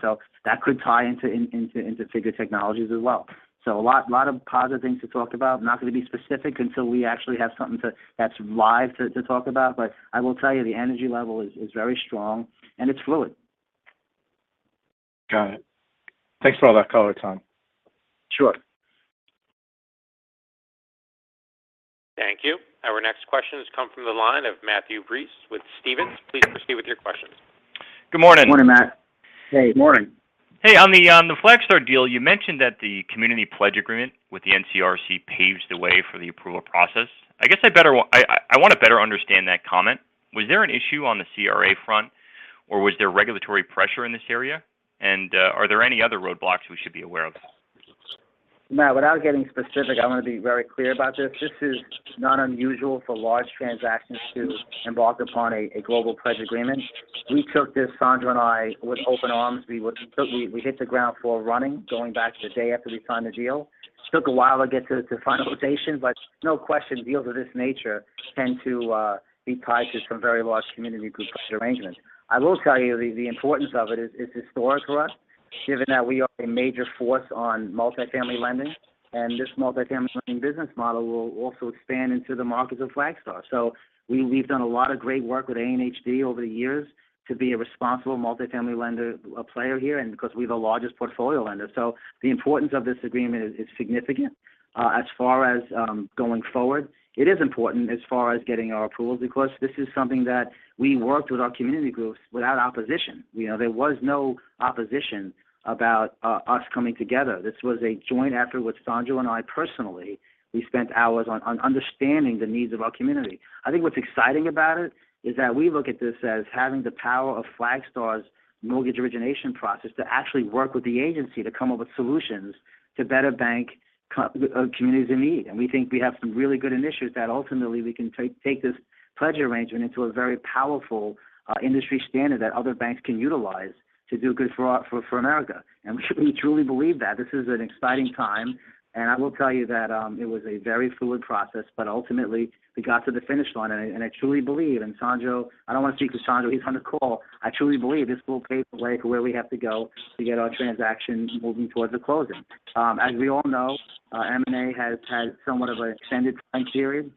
That could tie into Figure Technologies as well. A lot of positive things to talk about. Not gonna be specific until we actually have something that's live to talk about. I will tell you the energy level is very strong, and it's fluid. Got it. Thanks for all that color, Tom. Sure. Thank you. Our next question has come from the line of Matthew Breese with Stephens. Please proceed with your questions. Good morning. Morning, Matt. Hey. Morning. Hey, on the Flagstar deal, you mentioned that the community pledge agreement with the NCRC paves the way for the approval process. I guess I wanna better understand that comment. Was there an issue on the CRA front, or was there regulatory pressure in this area? Are there any other roadblocks we should be aware of? Matt, without getting specific, I wanna be very clear about this. This is not unusual for large transactions to embark upon a global pledge agreement. We took this, Sandro and I, with open arms. We hit the ground running, going back to the day after we signed the deal. It took a while to get to finalization, but no question deals of this nature tend to be tied to some very large community group pledge arrangements. I will tell you the importance of it is historic for us, given that we are a major force on multifamily lending, and this multifamily lending business model will also expand into the markets of Flagstar. We've done a lot of great work with ANHD over the years to be a responsible multifamily lender player here, and because we're the largest portfolio lender. The importance of this agreement is significant. As far as going forward, it is important as far as getting our approvals, because this is something that we worked with our community groups without opposition. You know, there was no opposition about us coming together. This was a joint effort with Sandro and I personally. We spent hours on understanding the needs of our community. I think what's exciting about it is that we look at this as having the power of Flagstar's mortgage origination process to actually work with the agency to come up with solutions to better bank communities in need. We think we have some really good initiatives that ultimately we can take this pledge arrangement into a very powerful industry standard that other banks can utilize to do good for America. We truly believe that. This is an exciting time, and I will tell you that, it was a very fluid process, but ultimately we got to the finish line. I truly believe, and Sandro, I don't wanna speak for Sandro, he's on the call. I truly believe this will pave the way to where we have to go to get our transaction moving towards the closing. As we all know, M&A has had somewhat of an extended time period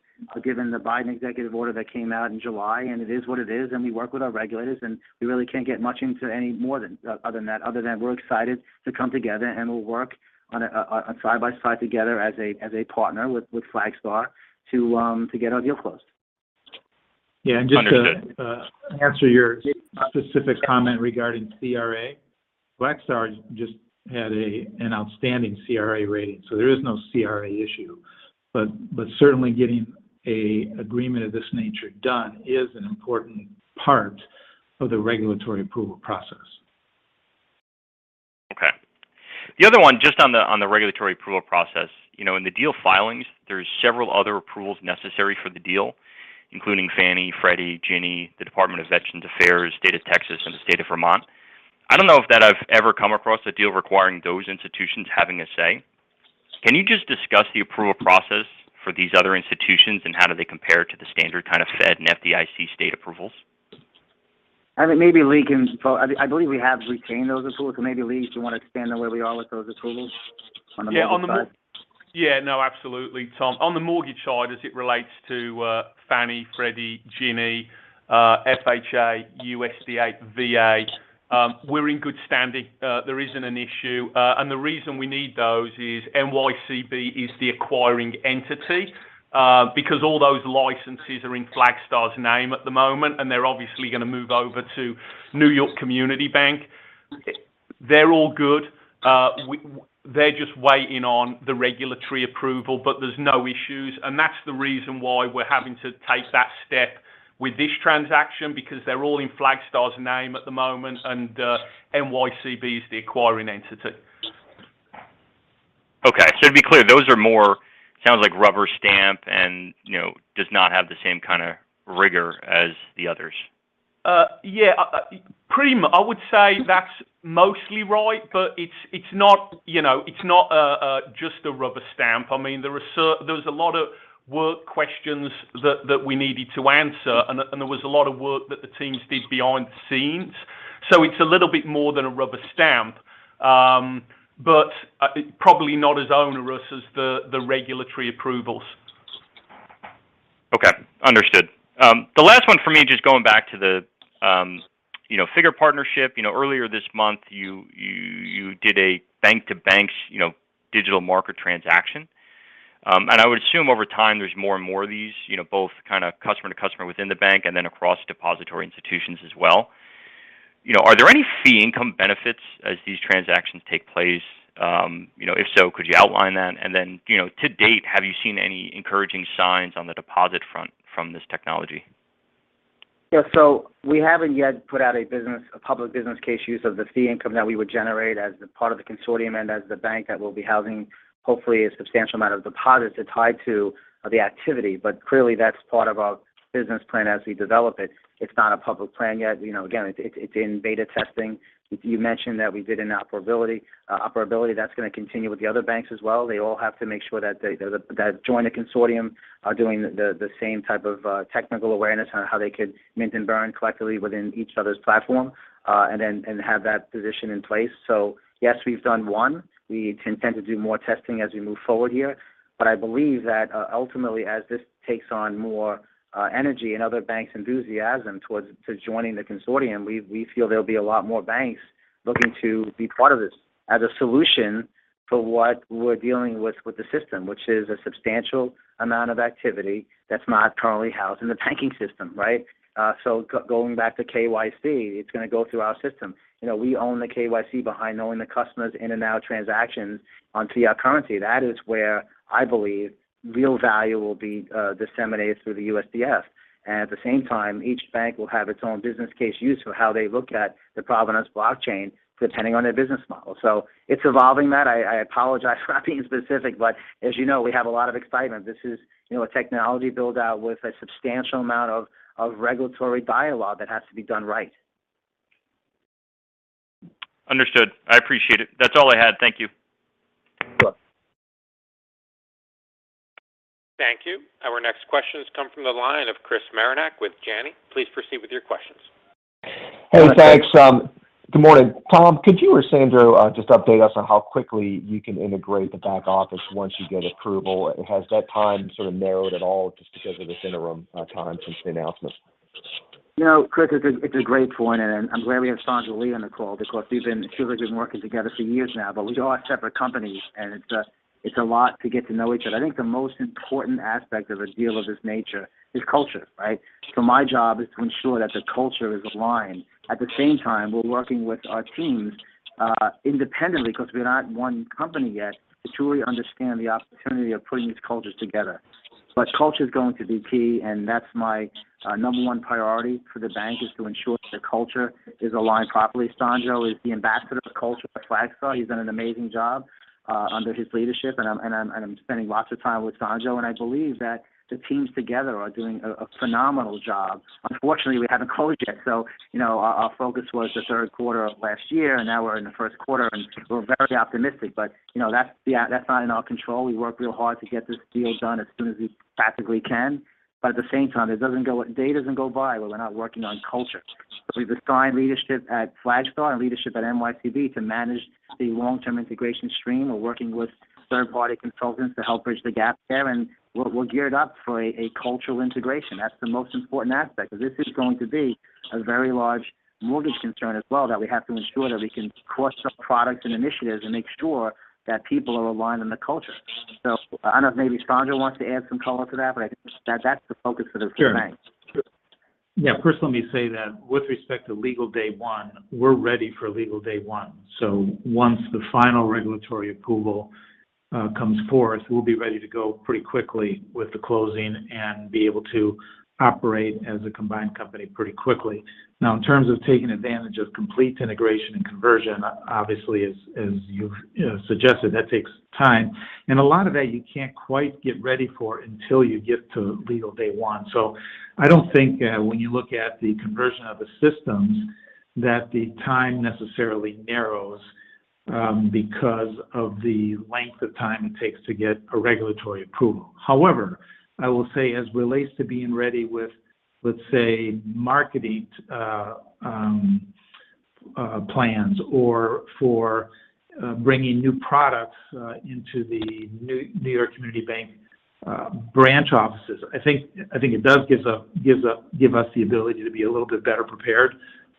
given the Biden Executive Order that came out in July, and it is what it is, and we work with our regulators. We really can't get much into any more than other than that, other than we're excited to come together, and we'll work on a side by side together as a partner with Flagstar to get our deal closed. Yeah. Understood. Answer your specific comment regarding CRA. Flagstar's just had an outstanding CRA rating, so there is no CRA issue. Certainly getting an agreement of this nature done is an important part of the regulatory approval process. Okay. The other one, just on the regulatory approval process. You know, in the deal filings, there's several other approvals necessary for the deal, including Fannie, Freddie, Ginnie, the Department of Veterans Affairs, State of Texas, and the State of Vermont. I don't know if I've ever come across a deal requiring those institutions having a say. Can you just discuss the approval process for these other institutions, and how do they compare to the standard kind of Fed and FDIC state approvals? Well, I believe we have retained those approvals, so maybe Lee, if you wanna expand on where we are with those approvals on the mortgage side. Yeah. No, absolutely, Tom. On the mortgage side, as it relates to Fannie, Freddie, Ginnie, FHA, USDA, VA, we're in good standing. There isn't an issue. The reason we need those is NYCB is the acquiring entity, because all those licenses are in Flagstar's name at the moment, and they're obviously gonna move over to New York Community Bank. They're all good. They're just waiting on the regulatory approval, but there's no issues. That's the reason why we're having to take that step with this transaction because they're all in Flagstar's name at the moment, and NYCB is the acquiring entity. Okay. To be clear, those sound more like rubber stamp and, you know, do not have the same kinda rigor as the others. Yeah. Pretty much, I would say that's mostly right, but it's not, you know, it's not just a rubber stamp. I mean, there was a lot of work questions that we needed to answer. There was a lot of work that the teams did behind the scenes. It's a little bit more than a rubber stamp. Probably not as onerous as the regulatory approvals. Okay. Understood. The last one for me, just going back to the, you know, Figure partnership. You know, earlier this month, you did a bank-to-bank, you know, digital asset transaction. I would assume over time there's more and more of these, you know, both kinda customer to customer within the bank and then across depository institutions as well. You know, are there any fee income benefits as these transactions take place? You know, if so, could you outline that? Then, you know, to date, have you seen any encouraging signs on the deposit front from this technology? Yeah. We haven't yet put out a business, a public business case use of the fee income that we would generate as a part of the consortium and as the bank that we'll be housing, hopefully, a substantial amount of deposits are tied to the activity. Clearly that's part of our business plan as we develop it. It's not a public plan yet. You know, again, it's in beta testing. You mentioned that we did an interoperability. Interoperability, that's gonna continue with the other banks as well. They all have to make sure that they that join the consortium are doing the same type of technical awareness on how they could mint and burn collectively within each other's platform and have that position in place. Yes, we've done one. We intend to do more testing as we move forward here. I believe that, ultimately, as this takes on more energy and other banks' enthusiasm to joining the consortium, we feel there'll be a lot more banks looking to be part of this as a solution for what we're dealing with the system, which is a substantial amount of activity that's not currently housed in the banking system, right? Going back to KYC, it's gonna go through our system. You know, we own the KYC behind knowing the customers in and out transactions onto our currency. That is where I believe real value will be disseminated through the USDF. And at the same time, each bank will have its own business case use for how they look at the Provenance blockchain depending on their business model. It's evolving, Matt. I apologize for not being specific, but as you know, we have a lot of excitement. This is, you know, a technology build-out with a substantial amount of regulatory dialogue that has to be done right. Understood. I appreciate it. That's all I had. Thank you. Sure. Thank you. Our next questions come from the line of Chris Marinac with Janney. Please proceed with your questions. Hey, thanks. Good morning. Tom, could you or Sandro just update us on how quickly you can integrate the back office once you get approval? Has that time sort of narrowed at all just because of this interim time since the announcement? You know, Chris, it's a great point, and I'm glad we have Sandro DiNello on the call because we've been working together for years now. We are separate companies, and it's a lot to get to know each other. I think the most important aspect of a deal of this nature is culture, right? My job is to ensure that the culture is aligned. At the same time, we're working with our teams, independently, 'cause we're not one company yet, to truly understand the opportunity of putting these cultures together. Culture is going to be key, and that's my number one priority for the bank is to ensure that the culture is aligned properly. Sandro DiNello is the ambassador for culture at Flagstar. He's done an amazing job under his leadership, and I'm spending lots of time with Sandro, and I believe that the teams together are doing a phenomenal job. Unfortunately, we haven't closed yet. You know, our focus was the third quarter of last year, and now we're in the first quarter, and we're very optimistic. You know, that's not in our control. We worked real hard to get this deal done as soon as we practically can. At the same time, a day doesn't go by where we're not working on culture. We've assigned leadership at Flagstar and leadership at NYCB to manage the long-term integration stream. We're working with third-party consultants to help bridge the gap there, and we're geared up for a cultural integration. That's the most important aspect, because this is going to be a very large mortgage concern as well, that we have to ensure that we can cross our products and initiatives and make sure that people are aligned in the culture. I don't know if maybe Sandro wants to add some color to that, but I think that that's the focus of this bank. First, let me say that with respect to legal day one, we're ready for legal day one. Once the final regulatory approval comes forth, we'll be ready to go pretty quickly with the closing and be able to operate as a combined company pretty quickly. Now, in terms of taking advantage of complete integration and conversion, obviously, as you've, you know, suggested, that takes time. A lot of that you can't quite get ready for until you get to legal day one. I don't think, when you look at the conversion of the systems that the time necessarily narrows, because of the length of time it takes to get a regulatory approval. However, I will say as it relates to being ready with, let's say, marketing plans or for bringing new products into the New York Community Bank branch offices, I think it gives us the ability to be a little bit better prepared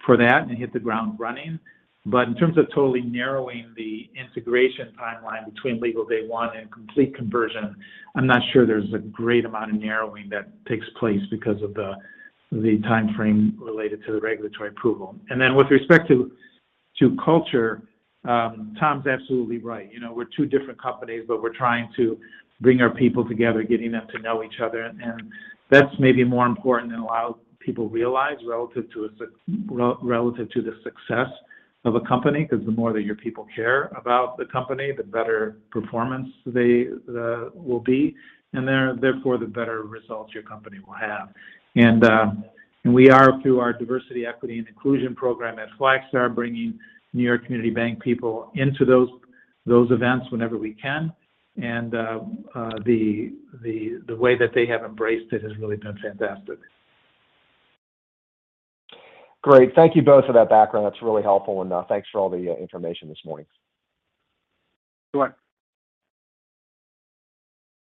for that and hit the ground running. In terms of totally narrowing the integration timeline between legal day one and complete conversion, I'm not sure there's a great amount of narrowing that takes place because of the timeframe related to the regulatory approval. Then with respect to culture, Tom's absolutely right. You know, we're two different companies, but we're trying to bring our people together, getting them to know each other. That's maybe more important than a lot of people realize relative to the success of a company, because the more that your people care about the company, the better performance they will be, and therefore, the better results your company will have. We are through our Diversity, Equity, and Inclusion program at Flagstar, bringing New York Community Bank people into those events whenever we can. The way that they have embraced it has really been fantastic. Great. Thank you both for that background. That's really helpful. Thanks for all the information this morning. Sure.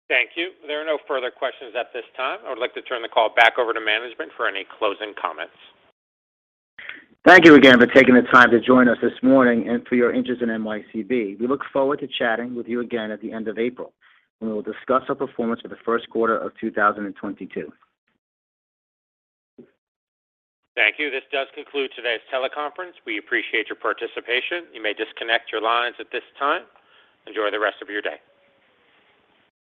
Thank you. There are no further questions at this time. I would like to turn the call back over to management for any closing comments. Thank you again for taking the time to join us this morning and for your interest in NYCB. We look forward to chatting with you again at the end of April, when we will discuss our performance for the first quarter of 2022. Thank you. This does conclude today's teleconference. We appreciate your participation. You may disconnect your lines at this time. Enjoy the rest of your day.